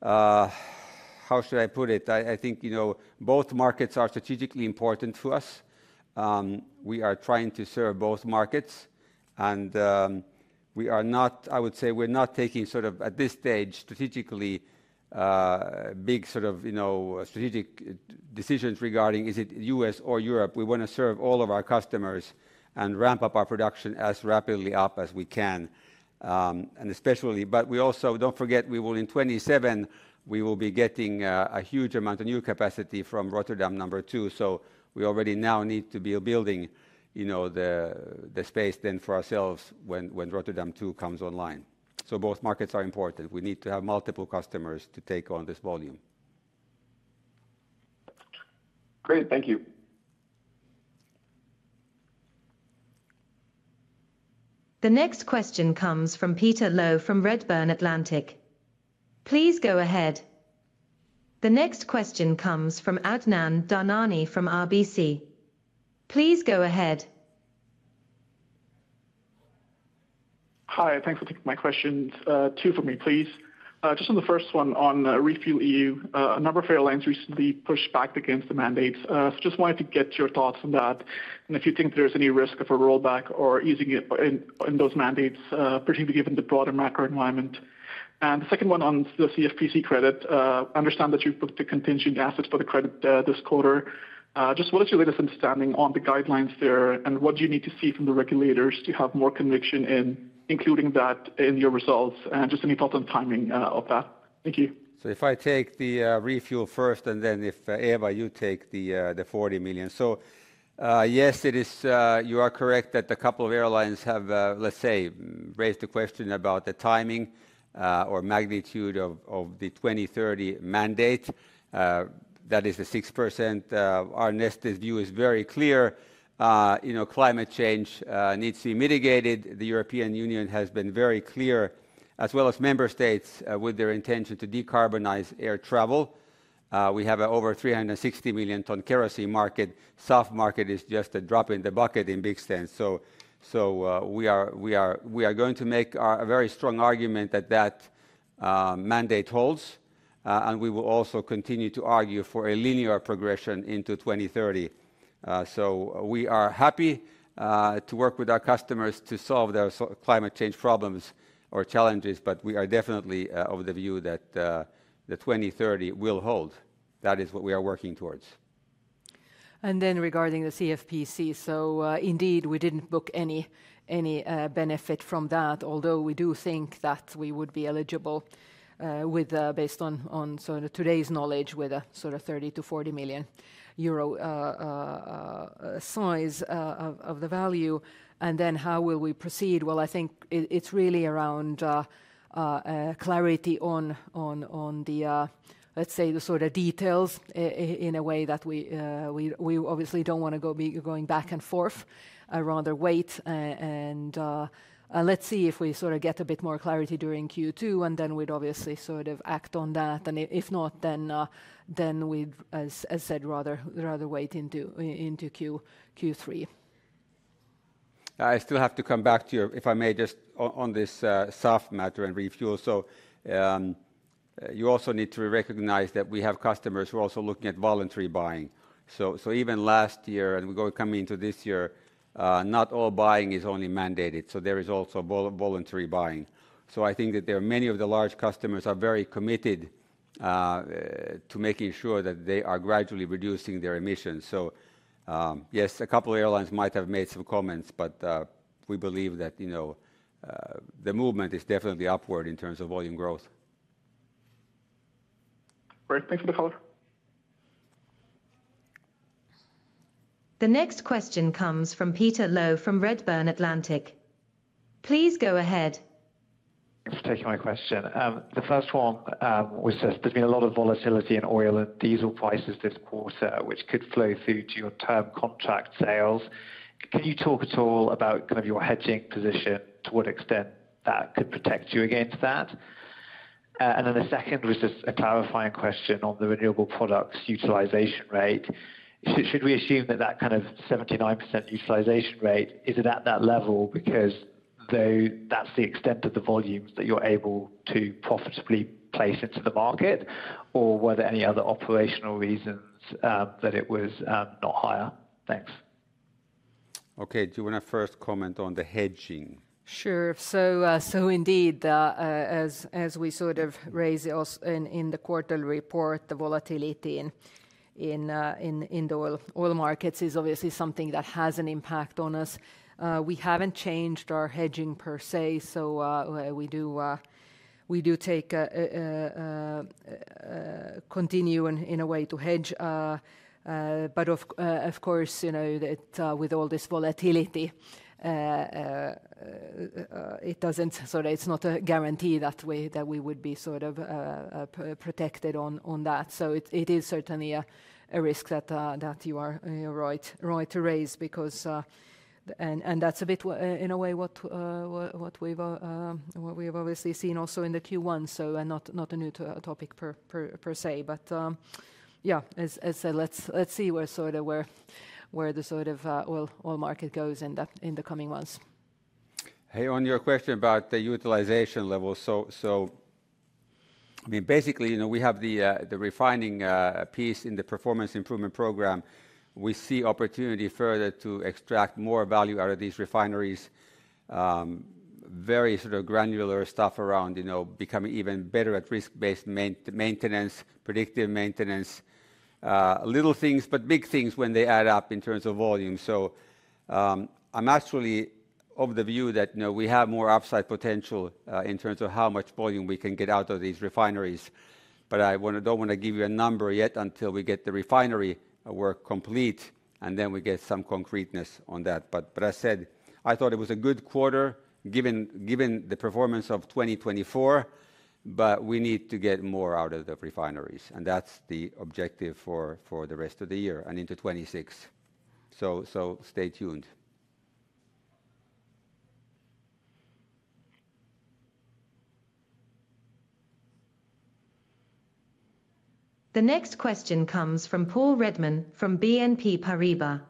how should I put it? I think both markets are strategically important to us. We are trying to serve both markets. I would say we are not taking at this stage strategically big strategic decisions regarding is it U.S. or Europe. We want to serve all of our customers and ramp up our production as rapidly up as we can. Especially, we also do not forget, we will in 2027, we will be getting a huge amount of new capacity from Rotterdam number two. We already now need to be building the space then for ourselves when Rotterdam two comes online. Both markets are important. We need to have multiple customers to take on this volume. Great. Thank you. The next question comes from Peter Low from Redburn Atlantic. Please go ahead. The next question comes from Adnan Dhanani from RBC. Please go ahead. Hi, thanks for taking my questions. Two for me, please. Just on the first one on ReFuelEU, a number of airlines recently pushed back against the mandates. Just wanted to get your thoughts on that. If you think there's any risk of a rollback or easing in those mandates, particularly given the broader macro environment. The second one on the CFPC credit, I understand that you've booked a contingent asset for the credit this quarter. Just what is your latest understanding on the guidelines there and what do you need to see from the regulators to have more conviction in including that in your results? Any thoughts on timing of that? Thank you. If I take the Refuel first and then if Eeva you take the 40 million. Yes, you are correct that a couple of airlines have, let's say, raised the question about the timing or magnitude of the 2030 mandate. That is a 6%. Our Neste view is very clear. Climate change needs to be mitigated. The European Union has been very clear, as well as member states, with their intention to decarbonize air travel. We have an over 360 million ton kerosene market. SAF market is just a drop in the bucket in big sense. We are going to make a very strong argument that that mandate holds. We will also continue to argue for a linear progression into 2030. We are happy to work with our customers to solve their climate change problems or challenges, but we are definitely of the view that the 2030 will hold. That is what we are working towards. Regarding the CFPC, indeed we did not book any benefit from that, although we do think that we would be eligible based on today's knowledge with a 30-40 million euro size of the value. How will we proceed? I think it is really around clarity on the, let's say, the sort of details in a way that we obviously do not want to be going back and forth, rather wait. Let's see if we get a bit more clarity during Q2, and then we would obviously act on that. If not, as I said, we would rather wait into Q3. I still have to come back to you, if I may, just on this SAF matter and refuel. You also need to recognize that we have customers who are also looking at voluntary buying. Even last year and we are coming into this year, not all buying is only mandated. There is also voluntary buying. I think that many of the large customers are very committed to making sure that they are gradually reducing their emissions. Yes, a couple of airlines might have made some comments, but we believe that the movement is definitely upward in terms of volume growth. Great. Thank you for the call. The next question comes from Peter Low from Redburn Atlantic. Please go ahead. Thanks for taking my question. The first one was just there's been a lot of volatility in oil and diesel prices this quarter, which could flow through to your term contract sales. Can you talk at all about kind of your hedging position, to what extent that could protect you against that? The second was just a clarifying question on the renewable products utilization rate. Should we assume that that kind of 79% utilization rate, is it at that level because that's the extent of the volumes that you're able to profitably place into the market, or were there any other operational reasons that it was not higher? Thanks. Okay. Do you want to first comment on the hedging? Sure. So indeed, as we sort of raised in the quarterly report, the volatility in the oil markets is obviously something that has an impact on us. We have not changed our hedging per se, so we do continue in a way to hedge. Of course, with all this volatility, it is not a guarantee that we would be protected on that. It is certainly a risk that you are right to raise because that is a bit in a way what we have obviously seen also in the Q1, so not a new topic per se. Yeah, as I said, let's see where the oil market goes in the coming months. Hey, on your question about the utilization level, I mean, basically, we have the refining piece in the performance improvement program. We see opportunity further to extract more value out of these refineries. Very sort of granular stuff around becoming even better at risk-based maintenance, predictive maintenance. Little things, but big things when they add up in terms of volume. I am actually of the view that we have more upside potential in terms of how much volume we can get out of these refineries. I do not want to give you a number yet until we get the refinery work complete, and then we get some concreteness on that. As I said, I thought it was a good quarter given the performance of 2024, but we need to get more out of the refineries. That is the objective for the rest of the year and into 2026. Stay tuned. The next question comes from Paul Redman from BNP Paribas.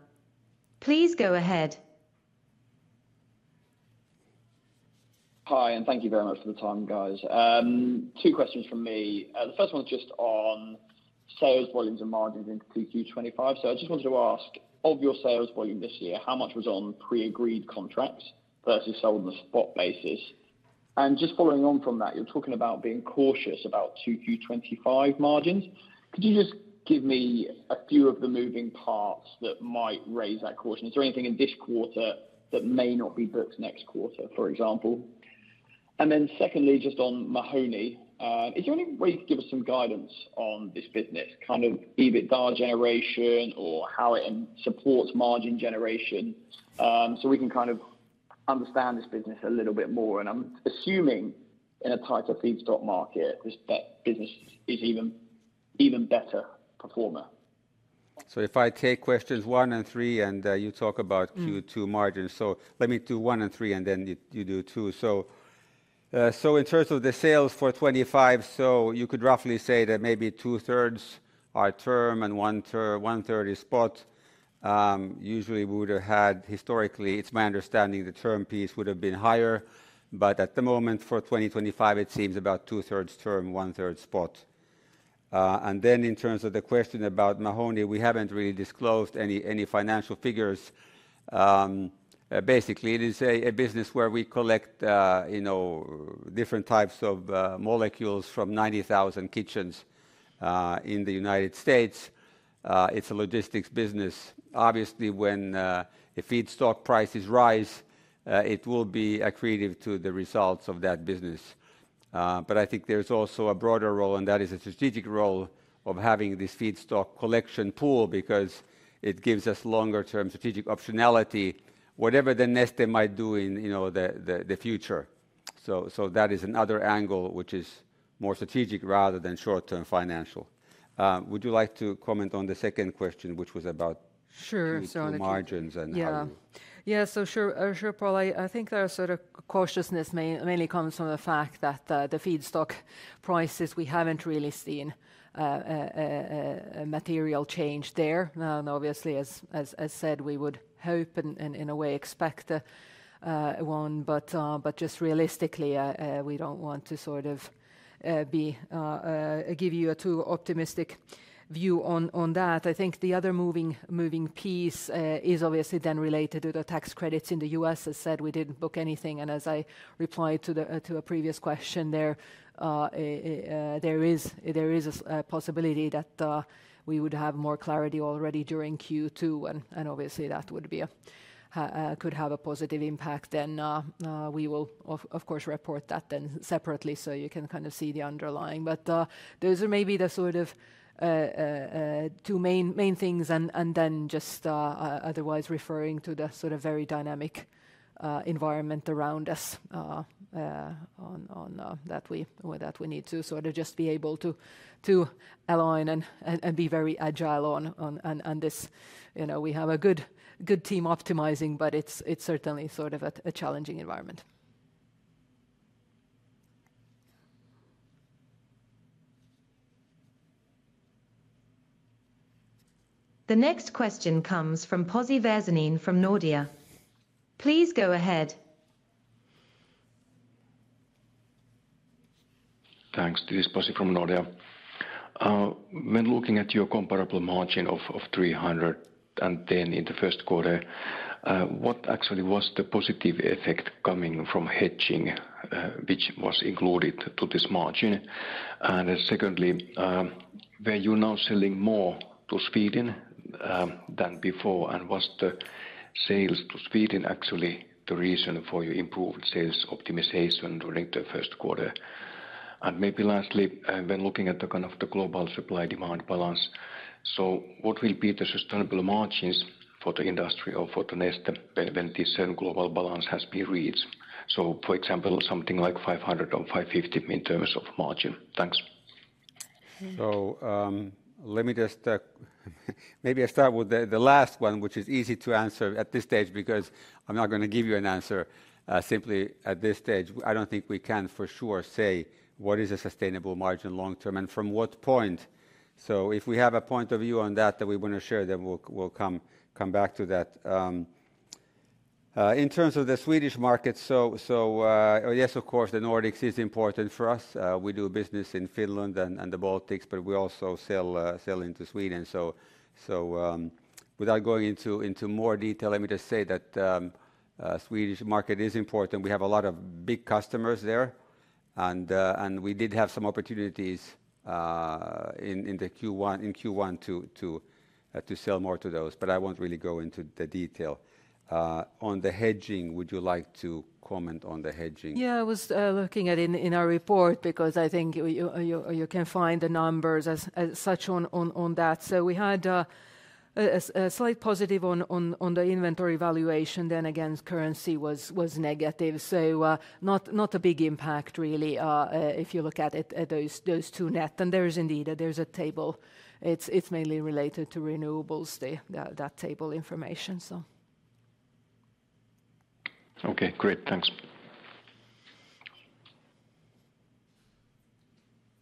Please go ahead. Hi, and thank you very much for the time, guys. Two questions from me. The first one is just on sales volumes and margins into Q2 2025. I just wanted to ask, of your sales volume this year, how much was on pre-agreed contracts versus sold on a spot basis? Just following on from that, you're talking about being cautious about Q2 2025 margins. Could you just give me a few of the moving parts that might raise that caution? Is there anything in this quarter that may not be booked next quarter, for example? Secondly, just on Mahoney, is there any way you could give us some guidance on this business, kind of EBITDA generation or how it supports margin generation so we can kind of understand this business a little bit more? I'm assuming in a tighter feedstock market, this business is an even better performer. If I take questions one and three and you talk about Q2 margins, let me do one and three and then you do two. In terms of the sales for 2025, you could roughly say that maybe two-thirds are term and one-third is spot. Usually, we would have had historically, it's my understanding, the term piece would have been higher. At the moment for 2025, it seems about two-thirds term, one-third spot. In terms of the question about Mahoney, we haven't really disclosed any financial figures. Basically, it is a business where we collect different types of molecules from 90,000 kitchens in the United States. It's a logistics business. Obviously, when the feedstock prices rise, it will be accretive to the results of that business. I think there's also a broader role, and that is a strategic role of having this feedstock collection pool because it gives us longer-term strategic optionality, whatever Neste might do in the future. That is another angle, which is more strategic rather than short-term financial. Would you like to comment on the second question, which was about margins and how? Sure. Yeah. Yeah. Sure, Paul. I think that sort of cautiousness mainly comes from the fact that the feedstock prices, we have not really seen material change there. Obviously, as said, we would hope and in a way expect one. Just realistically, we do not want to sort of give you a too optimistic view on that. I think the other moving piece is obviously then related to the tax credits in the U.S. As I said, we did not book anything. As I replied to a previous question there, there is a possibility that we would have more clarity already during Q2. Obviously, that could have a positive impact. We will, of course, report that then separately so you can kind of see the underlying. Those are maybe the sort of two main things. Just otherwise referring to the sort of very dynamic environment around us that we need to sort of just be able to align and be very agile on this. We have a good team optimizing, but it's certainly sort of a challenging environment. The next question comes from Pasi Väisänen from Nordea. Please go ahead. Thanks. This is Pozzi from Nordea. When looking at your comparable margin of $310 in the first quarter, what actually was the positive effect coming from hedging, which was included to this margin? Secondly, were you now selling more to Sweden than before? Was the sales to Sweden actually the reason for your improved sales optimization during the first quarter? Maybe lastly, when looking at the kind of global supply demand balance, what will be the sustainable margins for the industry or for Neste when this global balance has been reached? For example, something like $500 or $550 in terms of margin. Thanks. Let me just maybe I start with the last one, which is easy to answer at this stage because I'm not going to give you an answer simply at this stage. I don't think we can for sure say what is a sustainable margin long term and from what point. If we have a point of view on that that we want to share, then we'll come back to that. In terms of the Swedish market, yes, of course, the Nordics is important for us. We do business in Finland and the Baltics, but we also sell into Sweden. Without going into more detail, let me just say that the Swedish market is important. We have a lot of big customers there. We did have some opportunities in Q1 to sell more to those. I won't really go into the detail. On the hedging, would you like to comment on the hedging? Yeah, I was looking at it in our report because I think you can find the numbers as such on that. We had a slight positive on the inventory valuation. Again, currency was negative. Not a big impact really if you look at those two net. There is indeed a table. It's mainly related to renewables, that table information. Okay. Great. Thanks.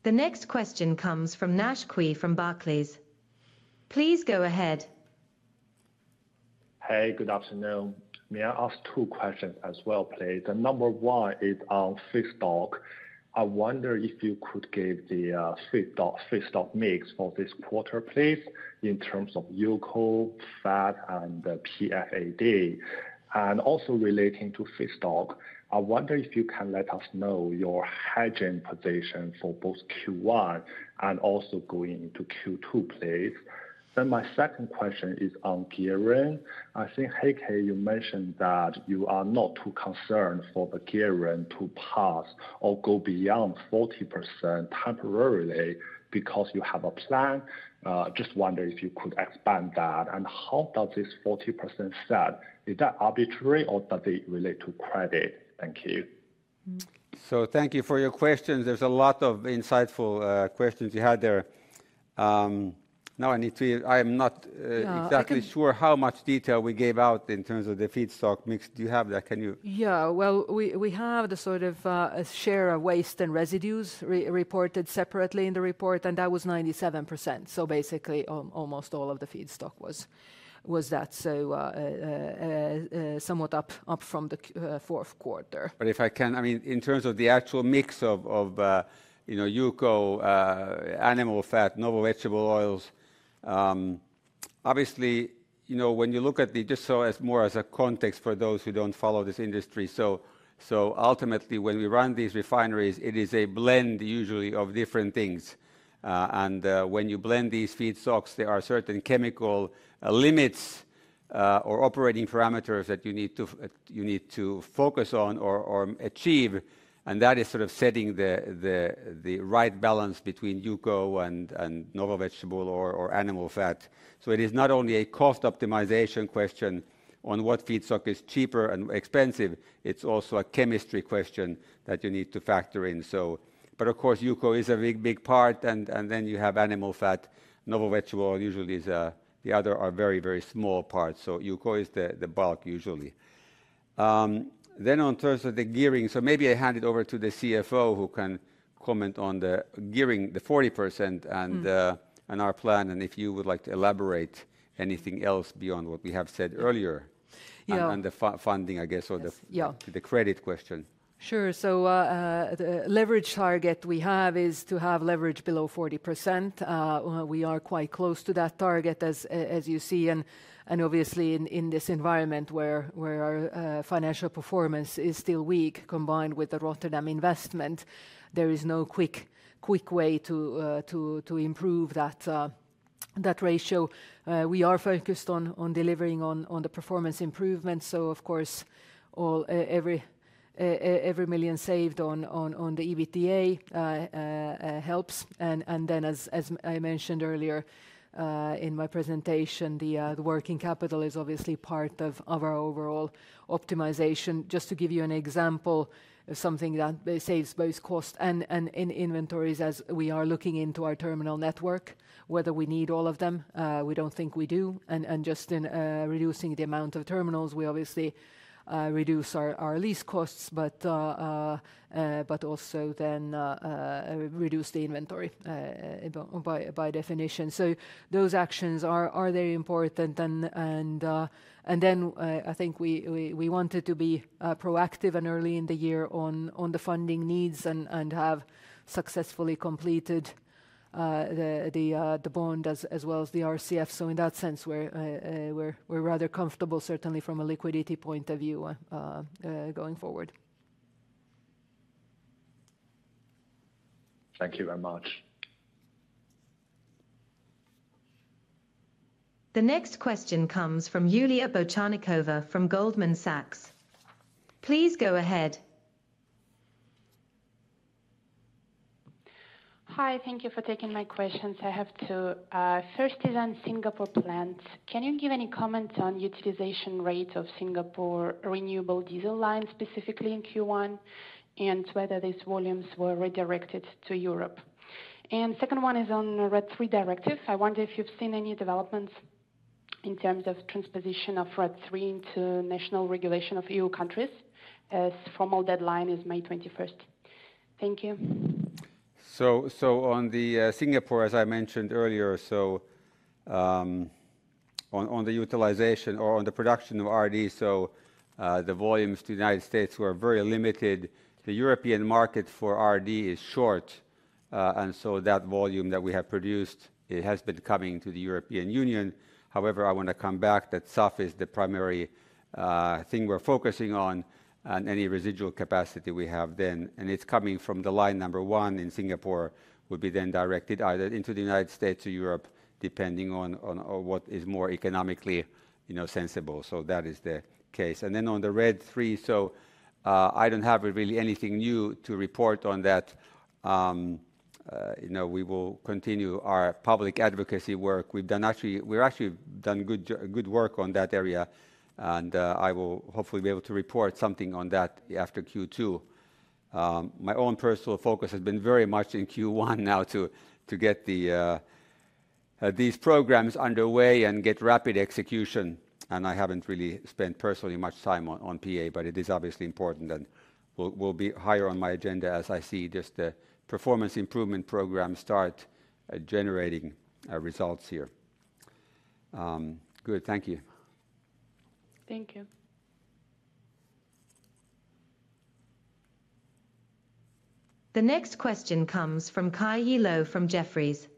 The next question comes from Nash Cui from Barclays. Please go ahead. Hey, good afternoon. May I ask two questions as well, please? Number one is on feedstock. I wonder if you could give the feedstock mix for this quarter, please, in terms of UCO, fat, and PFAD. Also relating to feedstock, I wonder if you can let us know your hedging position for both Q1 and also going into Q2, please. My second question is on gearing. I think, Heikki, you mentioned that you are not too concerned for the gearing to pass or go beyond 40% temporarily because you have a plan. Just wonder if you could expand that. How does this 40% set? Is that arbitrary or does it relate to credit? Thank you. Thank you for your questions. There are a lot of insightful questions you had there. Now I need to, I am not exactly sure how much detail we gave out in terms of the feedstock mix. Do you have that? Can you? Yeah. We have the sort of share of waste and residues reported separately in the report, and that was 97%. Basically, almost all of the feedstock was that, so somewhat up from the fourth quarter. If I can, I mean, in terms of the actual mix of UCO, animal fat, novel vegetable oils, obviously, when you look at the just more as a context for those who do not follow this industry. Ultimately, when we run these refineries, it is a blend usually of different things. When you blend these feedstocks, there are certain chemical limits or operating parameters that you need to focus on or achieve. That is sort of setting the right balance between UCO and novel vegetable or animal fat. It is not only a cost optimization question on what feedstock is cheaper and expensive. It is also a chemistry question that you need to factor in. Of course, UCO is a big, big part. Then you have animal fat, novel vegetable, and usually the other are very, very small parts. UCO is the bulk usually. In terms of the gearing, maybe I hand it over to the CFO who can comment on the gearing, the 40% and our plan, and if you would like to elaborate anything else beyond what we have said earlier. The funding, I guess, or the credit question. Sure. The leverage target we have is to have leverage below 40%. We are quite close to that target, as you see. Obviously, in this environment where our financial performance is still weak, combined with the Rotterdam investment, there is no quick way to improve that ratio. We are focused on delivering on the performance improvement. Of course, every million saved on the EBITDA helps. As I mentioned earlier in my presentation, the working capital is obviously part of our overall optimization. Just to give you an example of something that saves both cost and in inventories as we are looking into our terminal network, whether we need all of them, we do not think we do. Just in reducing the amount of terminals, we obviously reduce our lease costs, but also then reduce the inventory by definition. Those actions are very important. I think we wanted to be proactive and early in the year on the funding needs and have successfully completed the bond as well as the RCF. In that sense, we're rather comfortable, certainly from a liquidity point of view, going forward. Thank you very much. The next question comes from Julia Bocharnikova from Goldman Sachs. Please go ahead. Hi. Thank you for taking my questions. I have two. First is on Singapore plants. Can you give any comments on utilization rate of Singapore renewable diesel lines, specifically in Q1, and whether these volumes were redirected to Europe? Second one is on the RED III directive. I wonder if you've seen any developments in terms of transposition of RED III into national regulation of EU countries as formal deadline is May 21. Thank you. On the Singapore, as I mentioned earlier, on the utilization or on the production of RD, the volumes to the United States were very limited. The European market for RD is short. That volume that we have produced has been coming to the European Union. However, I want to come back that SAF is the primary thing we're focusing on and any residual capacity we have then, and it's coming from the line number one in Singapore, would be then directed either into the United States or Europe, depending on what is more economically sensible. That is the case. On the RED III, I don't have really anything new to report on that. We will continue our public advocacy work. We've actually done good work on that area. I will hopefully be able to report something on that after Q2. My own personal focus has been very much in Q1 now to get these programs underway and get rapid execution. I have not really spent personally much time on PA, but it is obviously important and will be higher on my agenda as I see just the performance improvement programs start generating results here. Good. Thank you. Thank you. The next question comes from Kai Ye Loh from Jefferies.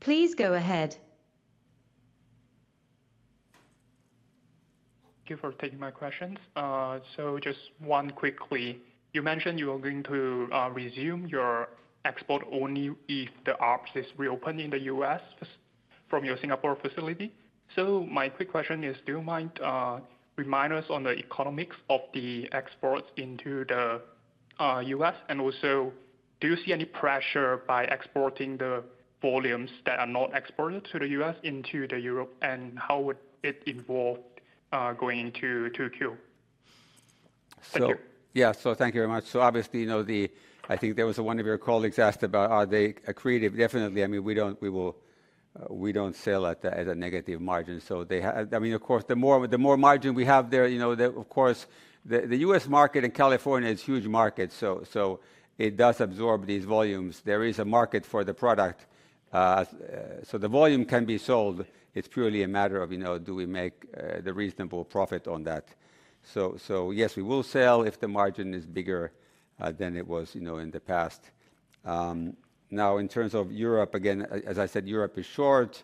Please go ahead. Thank you for taking my questions. Just one quickly. You mentioned you are going to resume your export only if the ARPS is reopened in the U.S. from your Singapore facility. My quick question is, do you mind reminding us on the economics of the exports into the U.S.? Also, do you see any pressure by exporting the volumes that are not exported to the U.S. into Europe? How would it involve going into Q2? Yeah. Thank you very much. Obviously, I think there was one of your colleagues asked about are they accretive? Definitely. I mean, we do not sell at a negative margin. I mean, of course, the more margin we have there, of course, the U.S. market in California is a huge market. It does absorb these volumes. There is a market for the product. The volume can be sold. It is purely a matter of do we make a reasonable profit on that. Yes, we will sell if the margin is bigger than it was in the past. Now, in terms of Europe, again, as I said, Europe is short.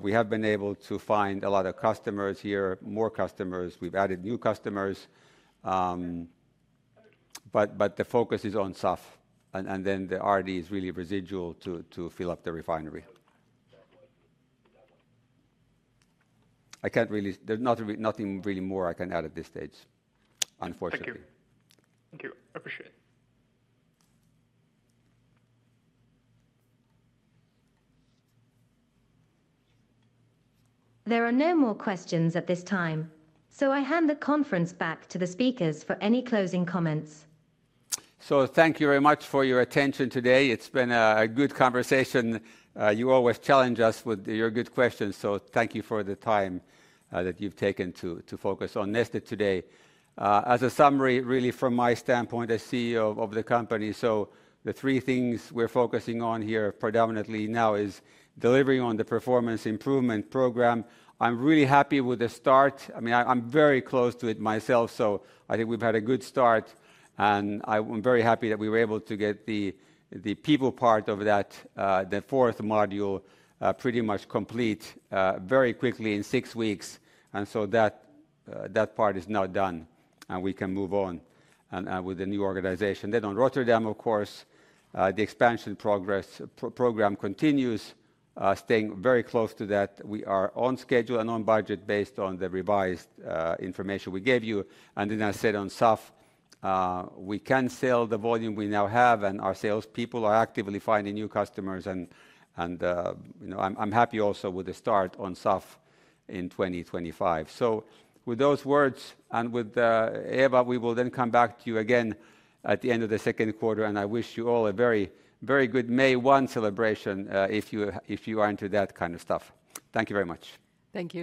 We have been able to find a lot of customers here, more customers. We have added new customers. The focus is on SAF. The RD is really residual to fill up the refinery. I can't really, there's nothing really more I can add at this stage, unfortunately. Thank you. Thank you. I appreciate it. There are no more questions at this time. I hand the conference back to the speakers for any closing comments. Thank you very much for your attention today. It's been a good conversation. You always challenge us with your good questions. Thank you for the time that you've taken to focus on Neste today. As a summary, really, from my standpoint as CEO of the company, the three things we're focusing on here predominantly now is delivering on the performance improvement program. I'm really happy with the start. I mean, I'm very close to it myself. I think we've had a good start. I'm very happy that we were able to get the people part of that, the fourth module, pretty much complete very quickly in six weeks. That part is now done. We can move on with the new organization. On Rotterdam, of course, the expansion progress program continues, staying very close to that. We are on schedule and on budget based on the revised information we gave you. I said on SAF, we can sell the volume we now have. Our salespeople are actively finding new customers. I am happy also with the start on SAF in 2025. With those words and with Eeva, we will then come back to you again at the end of the second quarter. I wish you all a very, very good May 1 celebration if you are into that kind of stuff. Thank you very much. Thank you.